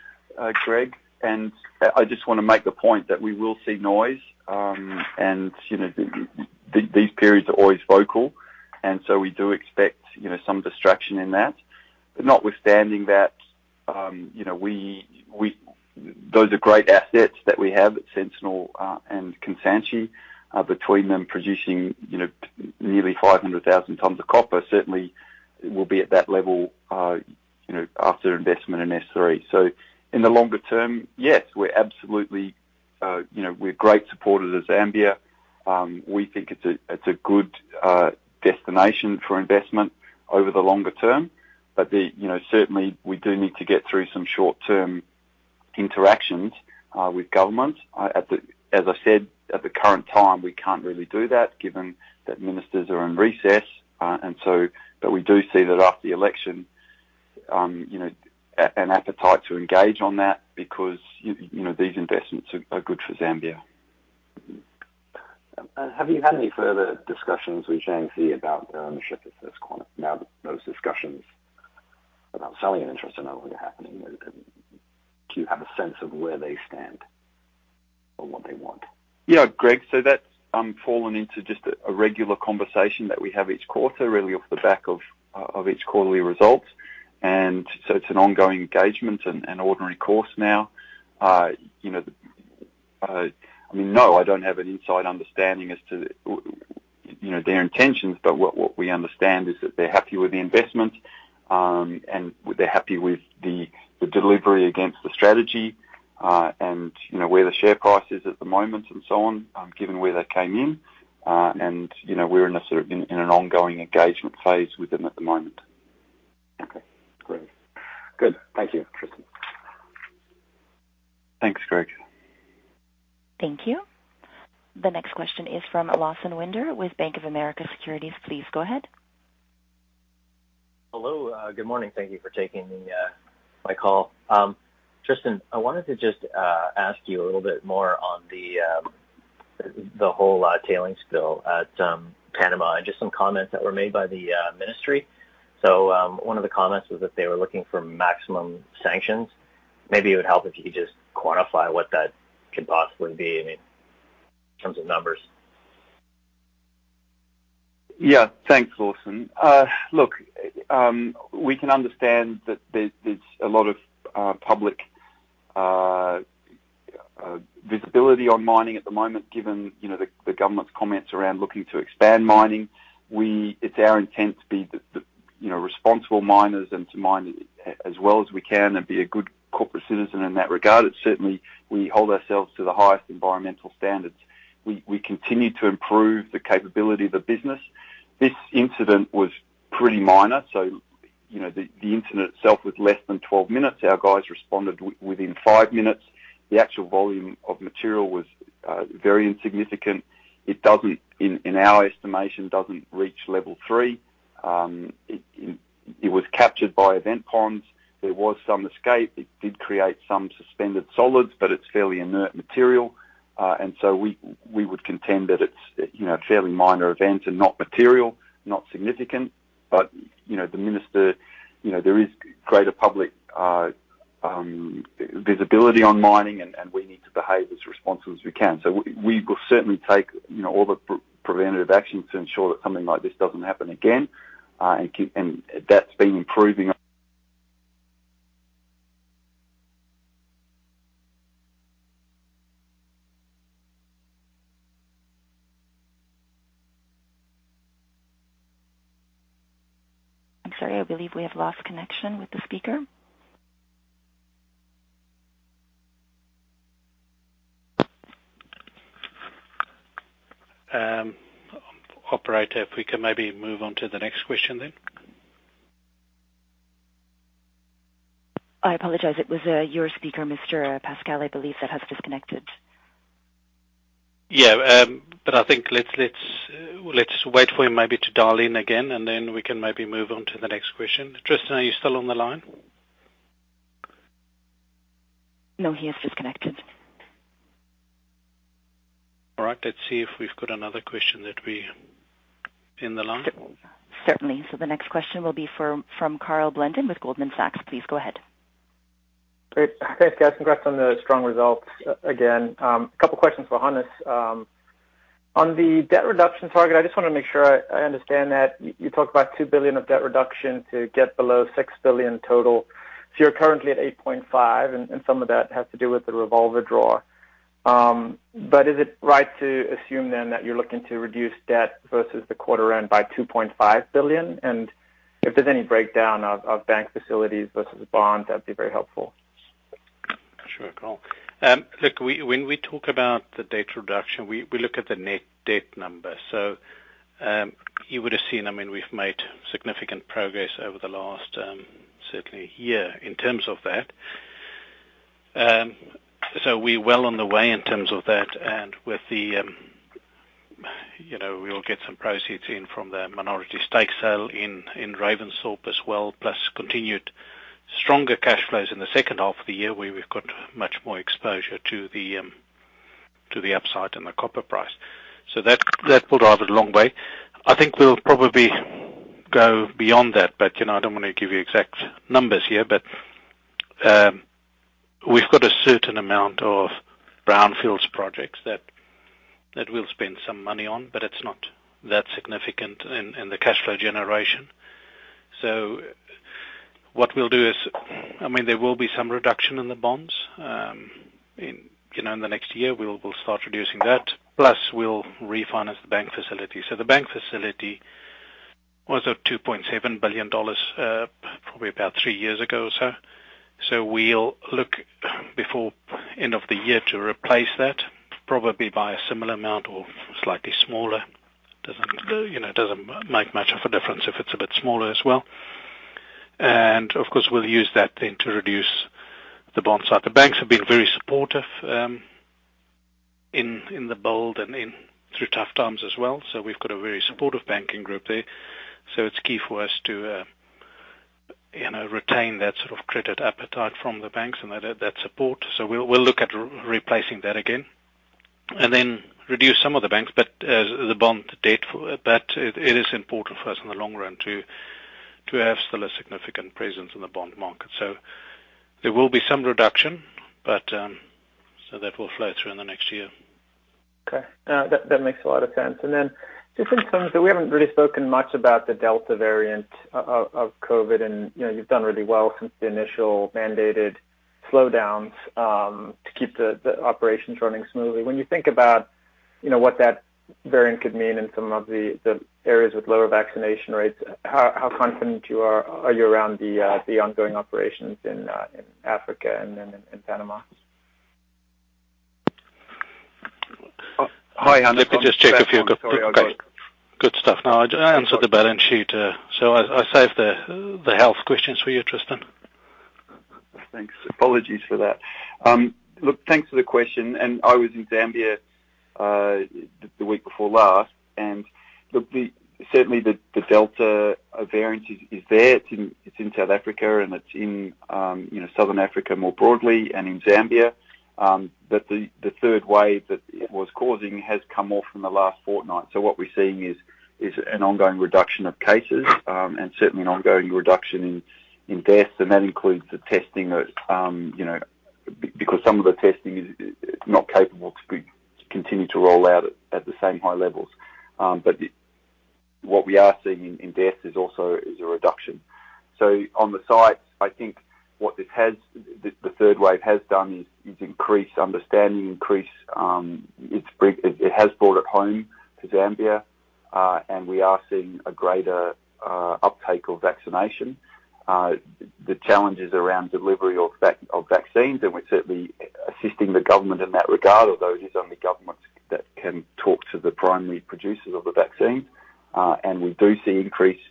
Greg, I just want to make the point that we will see noise. These periods are always vocal, we do expect some distraction in that. Notwithstanding that, those are great assets that we have at Sentinel and Kansanshi, between them producing nearly 500,000 tons of copper. Certainly will be at that level after investment in S3. In the longer term, yes, we're great supporters of Zambia. We think it's a good destination for investment over the longer term. Certainly, we do need to get through some short-term interactions with government. As I said, at the current time, we can't really do that given that ministers are in recess. We do see that after the election, an appetite to engage on that because these investments are good for Zambia. Have you had any further discussions with Jiangxi Copper about their ownership at First Quantum now those discussions about selling an interest are no longer happening? Do you have a sense of where they stand or what they want? Yeah, Greg, that's fallen into just a regular conversation that we have each quarter, really off the back of each quarterly result. It's an ongoing engagement and ordinary course now. No, I don't have an inside understanding as to their intentions. What we understand is that they're happy with the investment, and they're happy with the delivery against the strategy, and where the share price is at the moment and so on, given where they came in. We're in an ongoing engagement phase with them at the moment. Okay, great. Good. Thank you, Tristan. Thanks, Greg. Thank you. The next question is from Lawson Winder with Bank of America Securities. Please go ahead. Hello. Good morning. Thank you for taking my call. Tristan, I wanted to just ask you a little bit more on the whole tailings spill at Panama, and just some comments that were made by the ministry. One of the comments was that they were looking for maximum sanctions. Maybe it would help if you could just quantify what that could possibly be in terms of numbers. Thanks, Lawson. Look, we can understand that there's a lot of public visibility on mining at the moment given the government's comments around looking to expand mining. It's our intent to be responsible miners and to mine as well as we can and be a good citizen in that regard. Certainly, we hold ourselves to the highest environmental standards. We continue to improve the capability of the business. This incident was pretty minor. The incident itself was less than 12 minutes. Our guys responded within five minutes. The actual volume of material was very insignificant. In our estimation, it doesn't reach level 3. It was captured by event ponds. There was some escape. It did create some suspended solids, but it's fairly inert material. We would contend that it's a fairly minor event and not material, not significant. The minister, there is greater public visibility on mining, and we need to behave as responsive as we can. We will certainly take all the preventative actions to ensure that something like this doesn't happen again. That's been improving. I'm sorry, I believe we have lost connection with the speaker. Operator, if we can maybe move on to the next question then. I apologize. It was your speaker, Mr. Pascall, I believe, that has disconnected. Yeah, I think let's wait for him maybe to dial in again, and then we can maybe move on to the next question. Tristan, are you still on the line? No, he has disconnected. All right. Let's see if we've got another question that we on the line. Certainly. The next question will be from Karl Blunden with Goldman Sachs. Please go ahead. Great. Thanks, guys. Congrats on the strong results again. A couple questions for Hannes. On the debt reduction target, I just want to make sure I understand that you talk about $2 billion of debt reduction to get below $6 billion total. You're currently at $8.5 billion, and some of that has to do with the revolver draw. Is it right to assume then that you're looking to reduce debt versus the quarter end by $2.5 billion? If there's any breakdown of bank facilities versus bonds, that'd be very helpful. Sure, Karl. Look, when we talk about the debt reduction, we look at the net debt number. You would have seen, we've made significant progress over the last, certainly year in terms of that. We're well on the way in terms of that and we'll get some proceeds in from the minority stake sale in Ravensthorpe as well, plus continued stronger cash flows in the second half of the year, where we've got much more exposure to the upside and the copper price. That will drive a long way. I think we'll probably go beyond that, but I don't want to give you exact numbers here. We've got a certain amount of brownfields projects that we'll spend some money on, but it's not that significant in the cash flow generation. What we'll do is, there will be some reduction in the bonds. In the next year, we'll start reducing that. We'll refinance the bank facility. The bank facility was at $2.7 billion, probably about three years ago or so. We'll look before end of the year to replace that, probably by a similar amount or slightly smaller. It doesn't make much of a difference if it's a bit smaller as well. Of course, we'll use that then to reduce the bond side. The banks have been very supportive in the bond and through tough times as well. We've got a very supportive banking group there. It's key for us to retain that sort of credit appetite from the banks and that support. We'll look at replacing that again and then reduce some of the banks, but as the bond debt. It is important for us in the long run to have still a significant presence in the bond market. There will be some reduction, so that will flow through in the next year. Okay. That makes a lot of sense. Just in terms of, we haven't really spoken much about the Delta variant of COVID, and you've done really well since the initial mandated slowdowns to keep the operations running smoothly. When you think about what that variant could mean in some of the areas with lower vaccination rates, how confident are you around the ongoing operations in Africa and then in Panama? Hi, Hannes. Let me just check if you've got Great. Good stuff. No, I answered the bell, didn't she? I saved the health questions for you, Tristan. Thanks. Apologies for that. Look, thanks for the question. I was in Zambia the week before last, and look, certainly the Delta variant is there. It's in South Africa, and it's in Southern Africa more broadly and in Zambia. The third wave that it was causing has come off in the last fortnight. What we're seeing is an ongoing reduction of cases and certainly an ongoing reduction in deaths. That includes the testing, because some of the testing is not capable to continue to roll out at the same high levels. What we are seeing in deaths is also a reduction. On the site, I think what the third wave has done is increase understanding. It has brought it home to Zambia. And we are seeing a greater uptake of vaccination. The challenge is around delivery of vaccines, and we're certainly assisting the government in that regard, although it is only government that can talk to the primary producers of the vaccine. We do see increased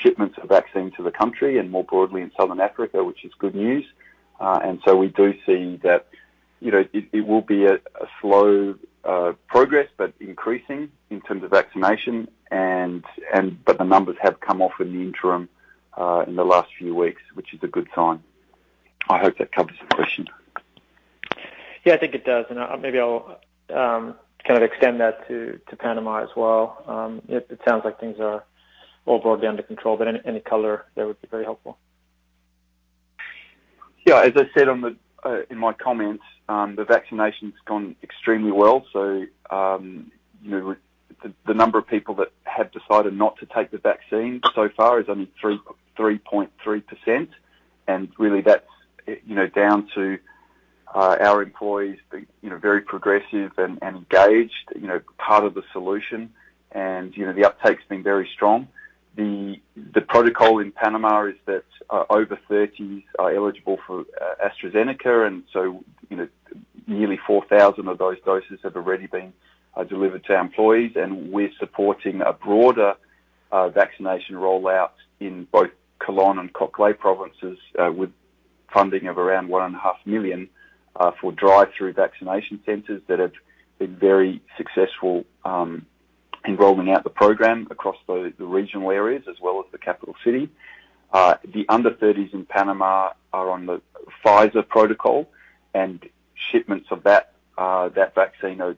shipments of vaccine to the country and more broadly in Southern Africa, which is good news. We do see that it will be a slow progress, but increasing in terms of vaccination. The numbers have come off in the interim, in the last few weeks, which is a good sign. I hope that covers the question. Yeah, I think it does. Maybe I'll extend that to Panama as well. It sounds like things are all broadly under control, any color there would be very helpful. Yeah. As I said in my comments, the vaccination's gone extremely well. The number of people that have decided not to take the vaccine so far is only 3.3%. Really that's down to our employees being very progressive and engaged, part of the solution. The uptake's been very strong. The protocol in Panama is that over 30s are eligible for AstraZeneca, and so nearly 4,000 of those doses have already been delivered to employees. We're supporting a broader vaccination rollout in both Colon and Coclé provinces, with funding of around $ one and a half million for drive-through vaccination centers that have been very successful in rolling out the program across the regional areas as well as the capital city. The under 30s in Panama are on the Pfizer protocol, and shipments of that vaccine are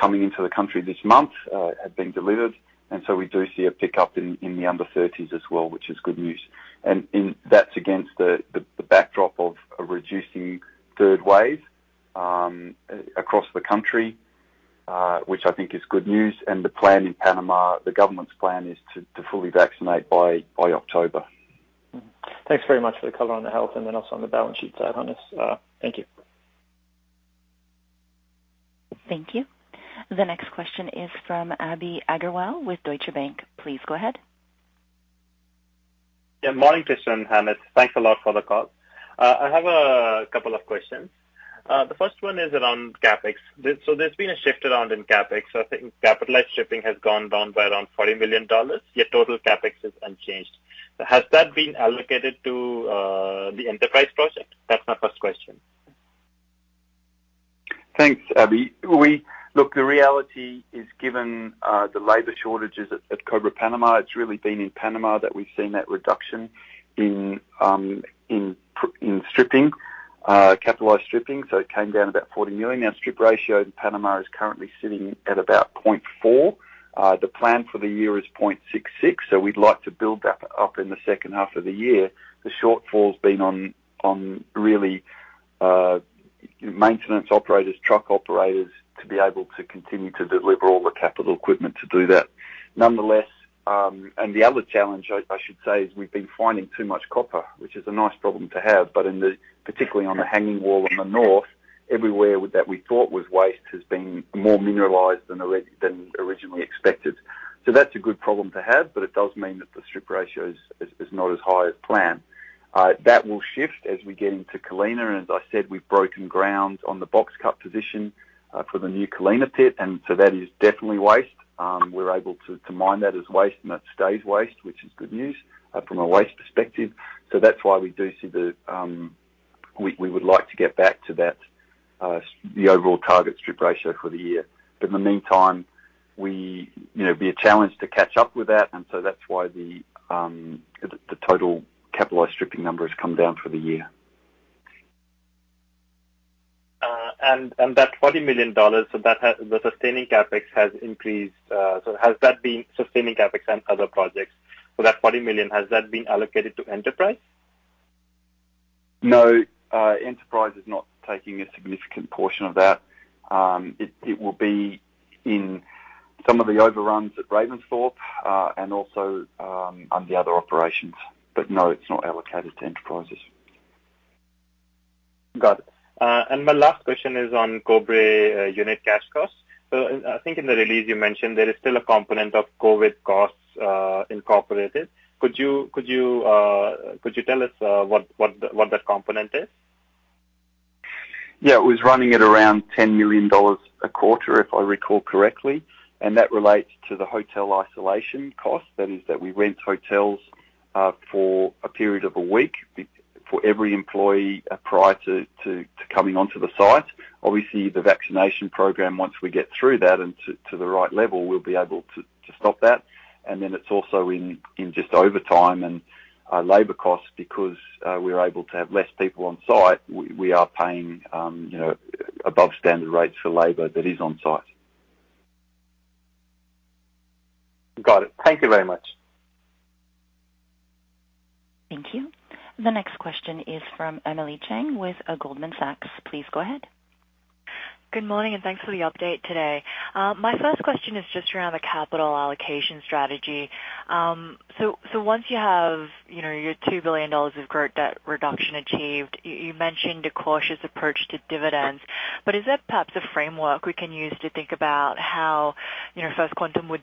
coming into the country this month, have been delivered. We do see a pickup in the under 30s as well, which is good news. That's against the backdrop of a reducing third wave across the country, which I think is good news. The plan in Panama, the government's plan is to fully vaccinate by October. Thanks very much for the color on the health and then also on the balance sheet side, Hannes. Thank you. Thank you. The next question is from Abhinandan Agarwal with Deutsche Bank. Please go ahead. Yeah. Morning, Tristan and Hannes. Thanks a lot for the call. I have a couple of questions. The first one is around CapEx. There's been a shift around in CapEx. I think capitalized shipping has gone down by around $40 million, yet total CapEx is unchanged. Has that been allocated to the enterprise project? That's my first question. Thanks, Abhi. Look, the reality is given the labor shortages at Cobre Panama, it's really been in Panama that we've seen that reduction in capitalized stripping. It came down about $40 million. Now, strip ratio in Panama is currently sitting at about 0.4. The plan for the year is 0.66, so we'd like to build that up in the second half of the year. The shortfall's been on really maintenance operators, truck operators, to be able to continue to deliver all the capital equipment to do that. Nonetheless, the other challenge, I should say, is we've been finding too much copper, which is a nice problem to have, but particularly on the hanging wall in the north, everywhere that we thought was waste has been more mineralized than originally expected. That's a good problem to have, but it does mean that the strip ratio is not as high as planned. That will shift as we get into Colina, and as I said, we've broken ground on the box cut position for the new Colina pit. That is definitely waste. We're able to mine that as waste, and that stays waste, which is good news from a waste perspective. That's why we would like to get back to the overall target strip ratio for the year. In the meantime, it will be a challenge to catch up with that's why the total capitalized stripping number has come down for the year. That $40 million, the sustaining CapEx has increased. That $40 million, sustaining CapEx and other projects, has that been allocated to enterprise? No, enterprise is not taking a significant portion of that. It will be in some of the overruns at Ravensthorpe, and also on the other operations. No, it's not allocated to enterprises. My last question is on Cobre unit cash costs. I think in the release you mentioned there is still a component of COVID costs incorporated. Could you tell us what that component is? Yeah. It was running at around $10 million a quarter, if I recall correctly, and that relates to the hotel isolation cost. That is that we rent hotels for a period of a week for every employee prior to coming onto the site. Obviously, the vaccination program, once we get through that and to the right level, we'll be able to stop that. It's also in just overtime and labor costs because we're able to have less people on site. We are paying above standard rates for labor that is on site. Got it. Thank you very much. Thank you. The next question is from Emily Chieng with Goldman Sachs. Please go ahead. Good morning, thanks for the update today. My first question is just around the capital allocation strategy. Once you have your $2 billion of gross debt reduction achieved, you mentioned a cautious approach to dividends, but is that perhaps a framework we can use to think about how First Quantum would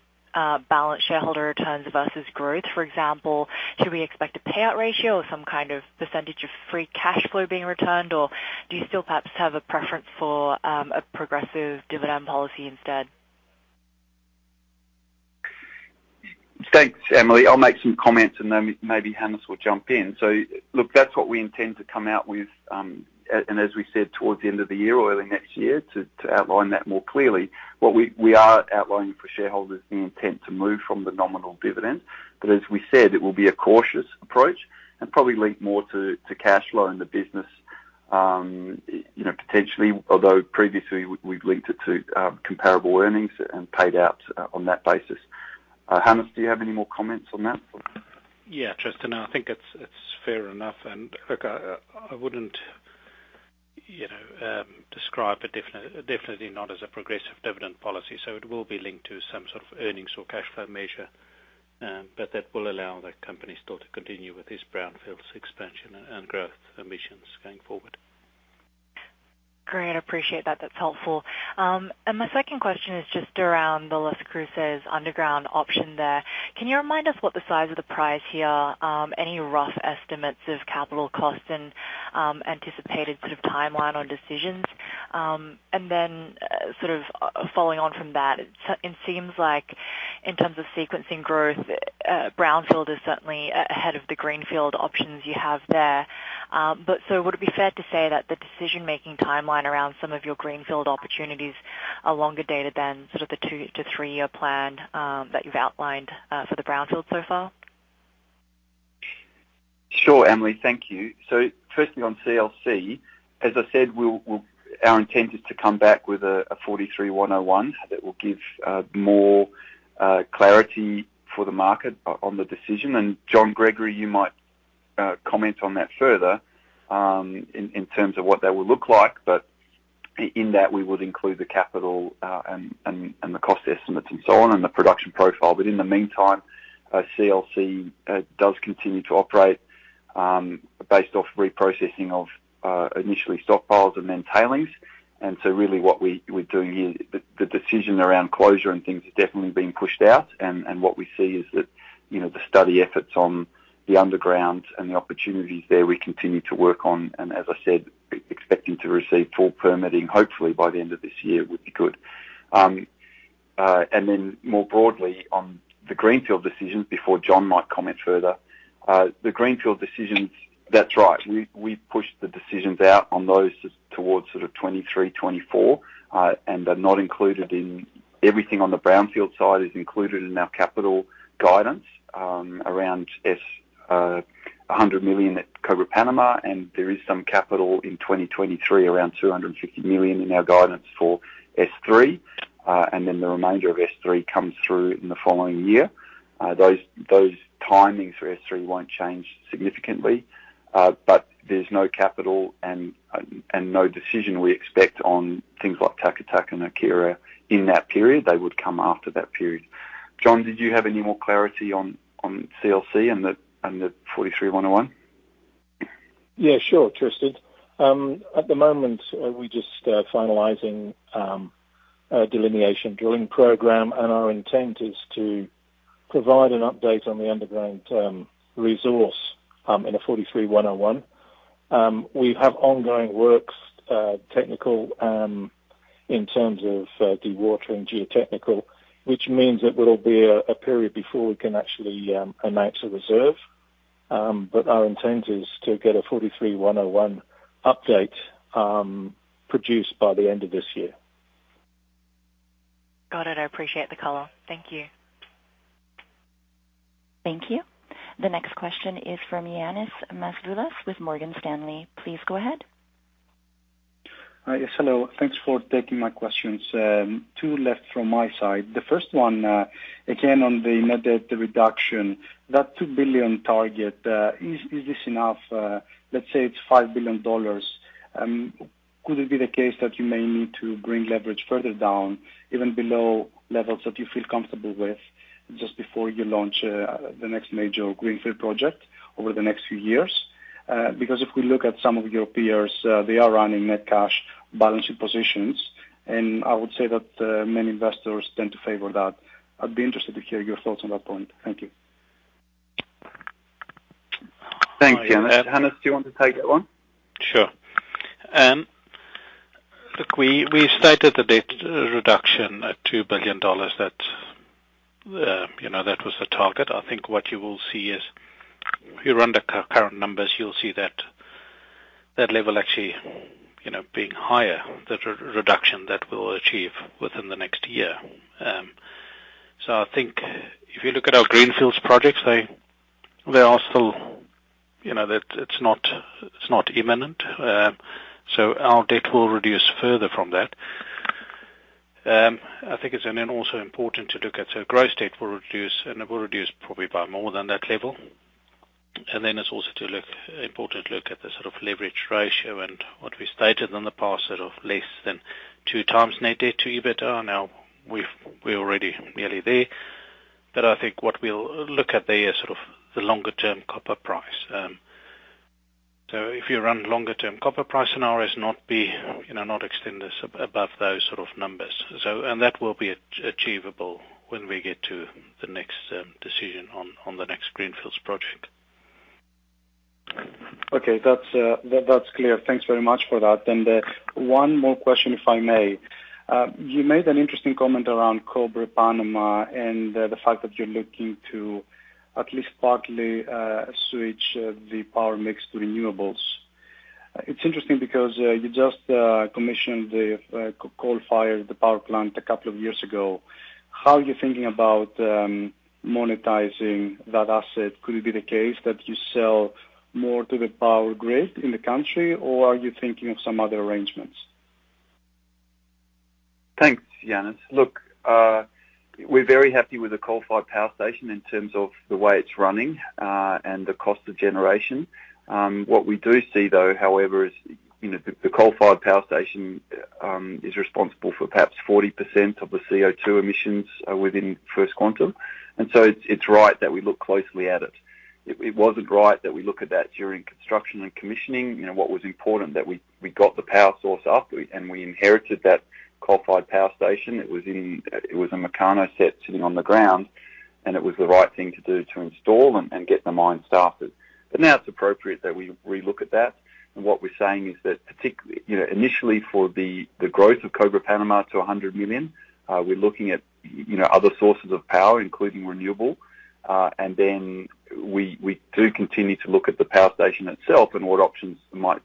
balance shareholder returns versus growth? For example, should we expect a payout ratio or some kind of percentage of free cash flow being returned, or do you still perhaps have a preference for a progressive dividend policy instead? Thanks, Emily. I'll make some comments and then maybe Hannes will jump in. Look, that's what we intend to come out with, and as we said, towards the end of the year or early next year to outline that more clearly. What we are outlining for shareholders, the intent to move from the nominal dividend. As we said, it will be a cautious approach and probably linked more to cash flow in the business, potentially, although previously, we've linked it to comparable earnings and paid out on that basis. Hannes, do you have any more comments on that? Yeah, Tristan, I think it's fair enough. Look, I wouldn't describe definitely not as a progressive dividend policy. It will be linked to some sort of earnings or cash flow measure. That will allow the company still to continue with its brownfields expansion and growth ambitions going forward. Great. I appreciate that. That's helpful. My second question is just around the Las Cruces underground option there. Can you remind us what the size of the prize here, any rough estimates of capital cost and anticipated sort of timeline on decisions? Sort of following on from that, it seems like in terms of sequencing growth, brownfield is certainly ahead of the greenfield options you have there. Would it be fair to say that the decision-making timeline around some of your greenfield opportunities are longer data than sort of the 2-3-year plan that you've outlined for the brownfield so far? Sure, Emily. Thank you. Firstly, on CLC, as I said, our intent is to come back with a 43-101 that will give more clarity for the market on the decision. John Gregory, you might comment on that further, in terms of what that would look like. In that, we would include the capital and the cost estimates and so on, and the production profile. In the meantime, CLC does continue to operate, based off reprocessing of, initially stockpiles and then tailings. Really what we're doing here, the decision around closure and things have definitely been pushed out. What we see is that the study efforts on the underground and the opportunities there, we continue to work on, and as I said, expecting to receive full permitting, hopefully by the end of this year would be good. More broadly on the greenfield decisions before John might comment further. The greenfield decisions, that's right. We pushed the decisions out on those towards sort of 2023, 2024, and are not included in. Everything on the brownfield side is included in our capital guidance, around $100 million at Cobre Panama, and there is some capital in 2023, around $250 million in our guidance for S3, and then the remainder of S3 comes through in the following year. Those timings for S3 won't change significantly. There's no capital and no decision we expect on things like Taca Taca and Haquira in that period. They would come after that period. John, did you have any more clarity on CLC and the 43-101? Sure, Tristan. At the moment, we're just finalizing a delineation drilling program, and our intent is to provide an update on the underground resource, in a NI 43-101. We have ongoing works, technical, in terms of dewatering geotechnical, which means it will be a period before we can actually announce a reserve. Our intent is to get a NI 43-101 update produced by the end of this year. Got it. I appreciate the color. Thank you. Thank you. The next question is from Ioannis Masvoulas with Morgan Stanley. Please go ahead. Yes, hello. Thanks for taking my questions. Two left from my side. The first one, again, on the net debt reduction, that $2 billion target, is this enough? Let's say it's $5 billion. Could it be the case that you may need to bring leverage further down, even below levels that you feel comfortable with just before you launch the next major greenfield project over the next few years? If we look at some of your peers, they are running net cash balancing positions, and I would say that many investors tend to favor that. I'd be interested to hear your thoughts on that point. Thank you. Thanks, Ioannis. Hannes, do you want to take that one? We stated the debt reduction at $2 billion. That was the target. I think what you will see is if you run the current numbers, you'll see that level actually being higher, the reduction that we'll achieve within the next year. I think if you look at our greenfields projects, they are still. It's not imminent. Our debt will reduce further from that. I think it's also important to look at growth rate will reduce, and it will reduce probably by more than that level. It's also important to look at the sort of leverage ratio and what we stated in the past, less than 2x net debt to EBITDA. We're already nearly there. I think what we'll look at there is the longer-term copper price. If you run longer-term copper price scenarios, not extend this above those sort of numbers. That will be achievable when we get to the next decision on the next greenfields project. Okay. That's clear. Thanks very much for that. One more question, if I may. You made an interesting comment around Cobre Panama and the fact that you're looking to at least partly switch the power mix to renewables. It's interesting because you just commissioned the coal-fired power plant a couple of years ago. How are you thinking about monetizing that asset? Could it be the case that you sell more to the power grid in the country, or are you thinking of some other arrangements? Thanks, Ioannis. Look, we're very happy with the coal-fired power station in terms of the way it's running and the cost of generation. What we do see, though, however, is the coal-fired power station is responsible for perhaps 40% of the CO2 emissions within First Quantum. It's right that we look closely at it. It wasn't right that we look at that during construction and commissioning. What was important that we got the power source up, we inherited that coal-fired power station. It was a Meccano set sitting on the ground, it was the right thing to do to install and get the mine started. Now it's appropriate that we re-look at that. What we're saying is that initially for the growth of Cobre Panama to 100 million, we're looking at other sources of power, including renewable. We do continue to look at the power station itself and what options might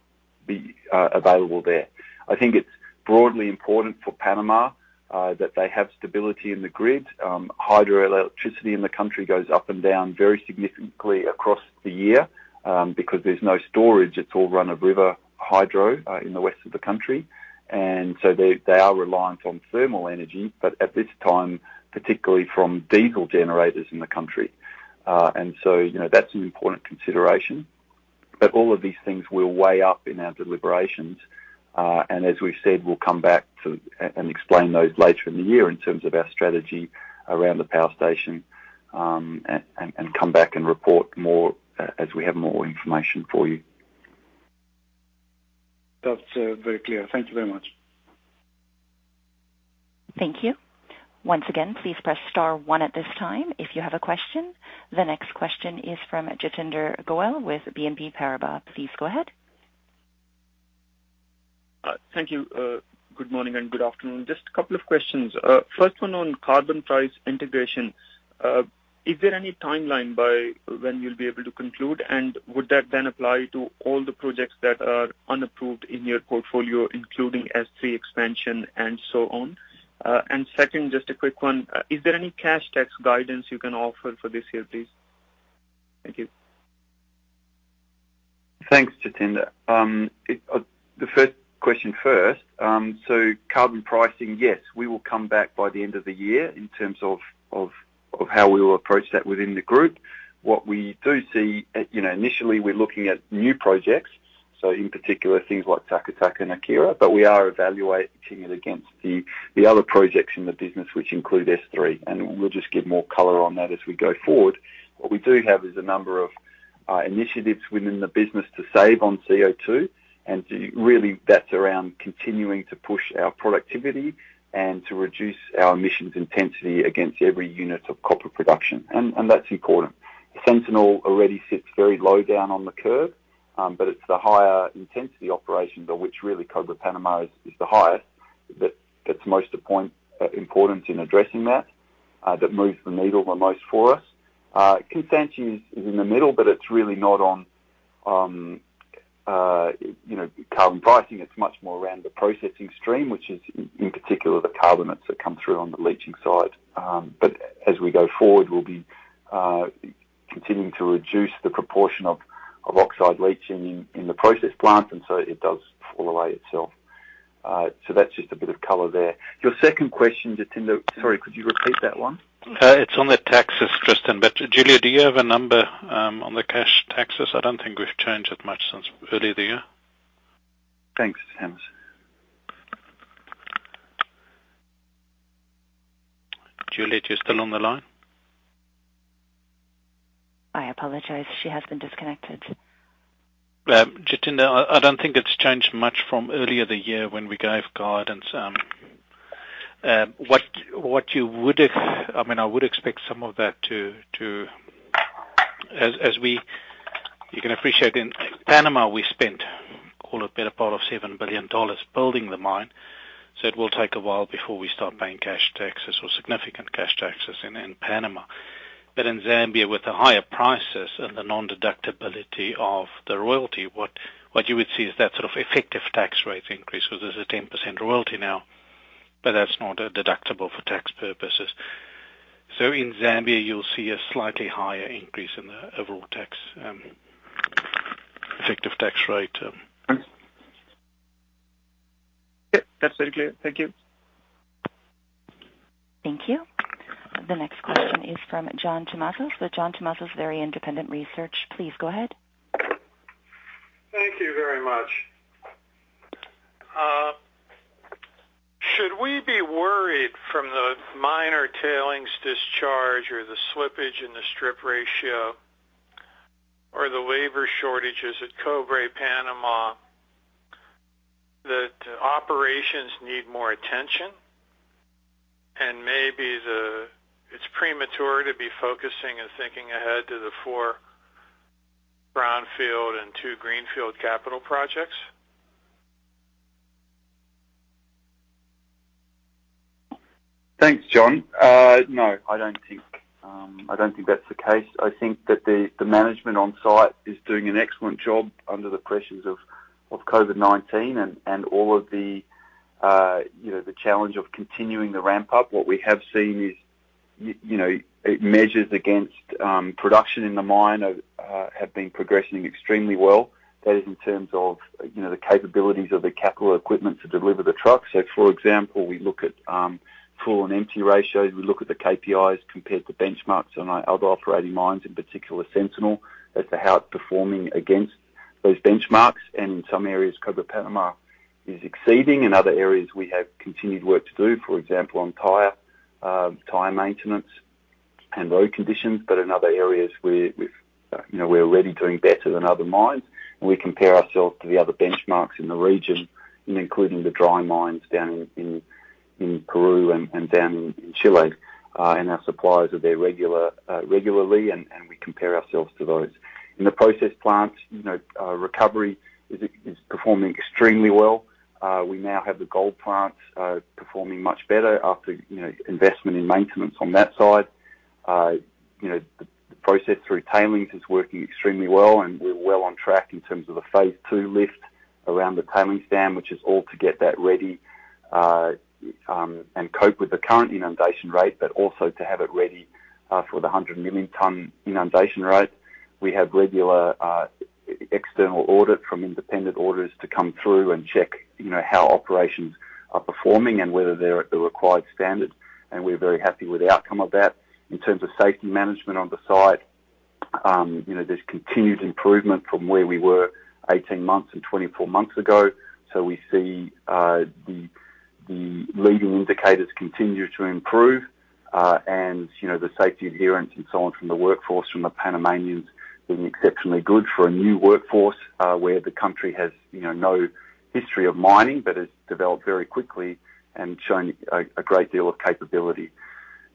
be available there. I think it's broadly important for Panama that they have stability in the grid. Hydroelectricity in the country goes up and down very significantly across the year because there's no storage. It's all run of river hydro in the west of the country. They are reliant on thermal energy, but at this time, particularly from diesel generators in the country. That's an important consideration. All of these things will weigh up in our deliberations. As we've said, we'll come back and explain those later in the year in terms of our strategy around the power station, and come back and report more as we have more information for you. That's very clear. Thank you very much. Thank you. Once again, please press star one at this time if you have a question. The next question is from Jatinder Goel with BNP Paribas. Please go ahead. Thank you. Good morning and good afternoon. Just a couple of questions. First one on carbon price integration. Is there any timeline by when you'll be able to conclude, and would that then apply to all the projects that are unapproved in your portfolio, including S3 expansion and so on? Second, just a quick one. Is there any cash tax guidance you can offer for this year, please? Thank you. Thanks, Jatinder. The first question first. Carbon pricing, yes, we will come back by the end of the year in terms of how we will approach that within the group. What we do see, initially, we're looking at new projects, so in particular, things like Taca Taca and Haquira, but we are evaluating it against the other projects in the business, which include S3, and we'll just give more color on that as we go forward. What we do have is a number of initiatives within the business to save on CO2, and really that's around continuing to push our productivity and to reduce our emissions intensity against every unit of copper production. That's important. Sentinel already sits very low down on the curve, but it's the higher intensity operations of which really Cobre Panama is the highest that's most important in addressing that moves the needle the most for us. Kansanshi is in the middle, but it's really not on carbon pricing. It's much more around the processing stream, which is in particular the carbonates that come through on the leaching side. As we go forward, we'll be continuing to reduce the proportion of oxide leaching in the process plant, and so it does fall away itself. That's just a bit of color there. Your second question, Jitender, sorry, could you repeat that one? It's on the taxes, Tristan. Julia, do you have a one on the cash taxes? I don't think we've changed it much since early the year. Thanks, Hannes. Julia, are you still on the line? I apologize. She has been disconnected. Jitender, I don't think it's changed much from earlier the year when we gave guidance. I would expect some of that. As we, you can appreciate in Panama, we spent call it better part of $7 billion building the mine. It will take a while before we start paying cash taxes or significant cash taxes in Panama. In Zambia, with the higher prices and the non-deductibility of the royalty, what you would see is that sort of effective tax rate increase because there's a 10% royalty now, but that's not deductible for tax purposes. In Zambia, you'll see a slightly higher increase in the overall tax. Effective tax rate. Yeah, that's very clear. Thank you. Thank you. The next question is from John Tumazos with John Tumazos Very Independent Research. Please go ahead. Thank you very much. Should we be worried from the minor tailings discharge or the slippage in the strip ratio or the labor shortages at Cobre Panama, that operations need more attention, and maybe it's premature to be focusing and thinking ahead to the four brownfield and two greenfield capital projects? Thanks, John. No, I don't think that's the case. I think that the management on-site is doing an excellent job under the pressures of COVID-19 and all of the challenge of continuing the ramp up. What we have seen is, it measures against production in the mine have been progressing extremely well. That is in terms of the capabilities of the capital equipment to deliver the trucks. For example, we look at full and empty ratios. We look at the KPIs compared to benchmarks on our other operating mines, in particular Sentinel, as to how it's performing against those benchmarks. In some areas, Cobre Panama is exceeding. In other areas, we have continued work to do, for example, on tire maintenance and road conditions. In other areas, we're already doing better than other mines, and we compare ourselves to the other benchmarks in the region, including the dry mines down in Peru and down in Chile, and our suppliers are there regularly, and we compare ourselves to those. In the process plants, recovery is performing extremely well. We now have the gold plants performing much better after investment in maintenance on that side. The process through tailings is working extremely well, and we're well on track in terms of the phase two lift around the tailings dam, which is all to get that ready and cope with the current inundation rate, but also to have it ready for the 100 million ton inundation rate. We have regular external audit from independent auditors to come through and check how operations are performing and whether they're at the required standard. We're very happy with the outcome of that. In terms of safety management on the site, there's continued improvement from where we were 18 months and 24 months ago. We see the leading indicators continue to improve, and the safety adherence and so on from the workforce, from the Panamanians, has been exceptionally good for a new workforce, where the country has no history of mining but has developed very quickly and shown a great deal of capability.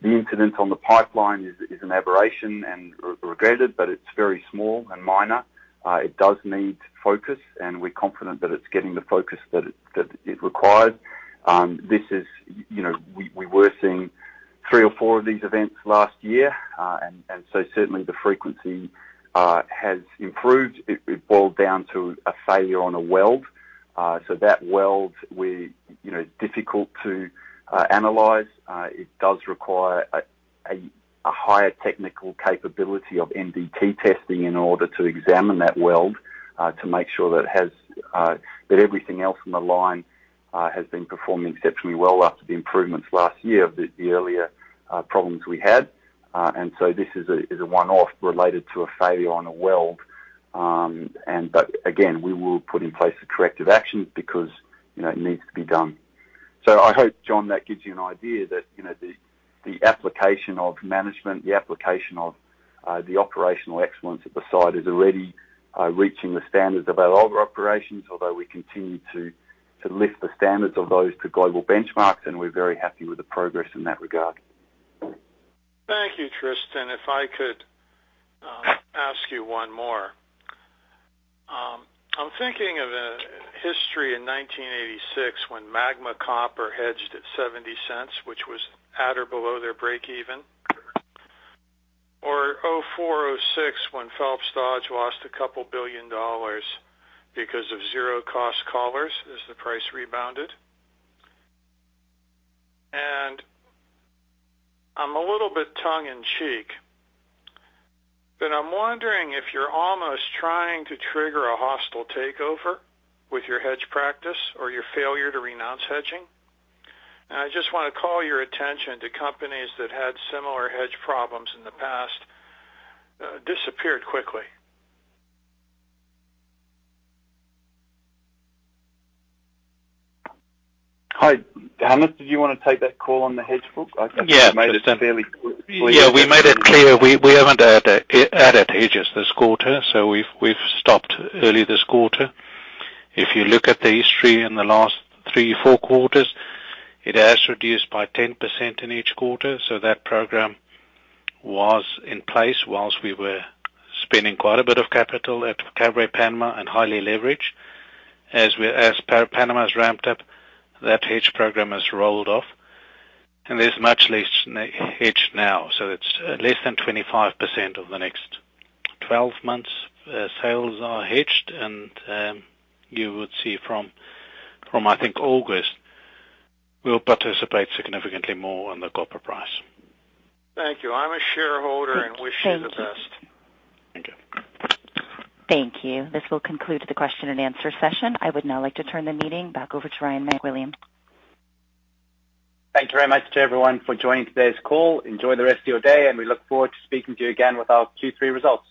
The incident on the pipeline is an aberration and regretted, but it's very small and minor. It does need focus, and we're confident that it's getting the focus that it requires. We were seeing three or four of these events last year. Certainly the frequency has improved. It boiled down to a failure on a weld. That weld, difficult to analyze. It does require a higher technical capability of NDT testing in order to examine that weld, to make sure that everything else in the line has been performing exceptionally well after the improvements last year of the earlier problems we had. This is a one-off related to a failure on a weld. Again, we will put in place the corrective actions because it needs to be done. I hope, John, that gives you an idea that the application of management, the application of the operational excellence at the site is already reaching the standards of our other operations, although we continue to lift the standards of those to global benchmarks, and we're very happy with the progress in that regard. Thank you, Tristan. If I could ask you one more. I'm thinking of a history in 1986 when Magma Copper hedged at $0.70, which was at or below their breakeven, or 2004, 2006, when Phelps Dodge lost a couple billion dollars because of zero cost collars as the price rebounded. I'm a little bit tongue in cheek, but I'm wondering if you're almost trying to trigger a hostile takeover with your hedge practice or your failure to renounce hedging. I just want to call your attention to companies that had similar hedge problems in the past, disappeared quickly. Hi, Hannes, did you want to take that call on the hedge book? I think we made it fairly clear. Yeah, we made it clear. We haven't added hedges this quarter, so we've stopped early this quarter. If you look at the history in the last three, four quarters, it has reduced by 10% in each quarter. That program was in place while we were spending quite a bit of capital at Cobre Panama and highly leveraged. As Panama's ramped up, that hedge program has rolled off, and there's much less hedged now. It's less than 25% of the next 12 months sales are hedged. You would see from, I think August, we'll participate significantly more on the copper price. Thank you. I'm a shareholder and wish you the best. Thank you. Thank you. This will conclude the question and answer session. I would now like to turn the meeting back over to Ryan MacWilliam. Thank you very much to everyone for joining today's call. Enjoy the rest of your day, and we look forward to speaking to you again with our Q3 results.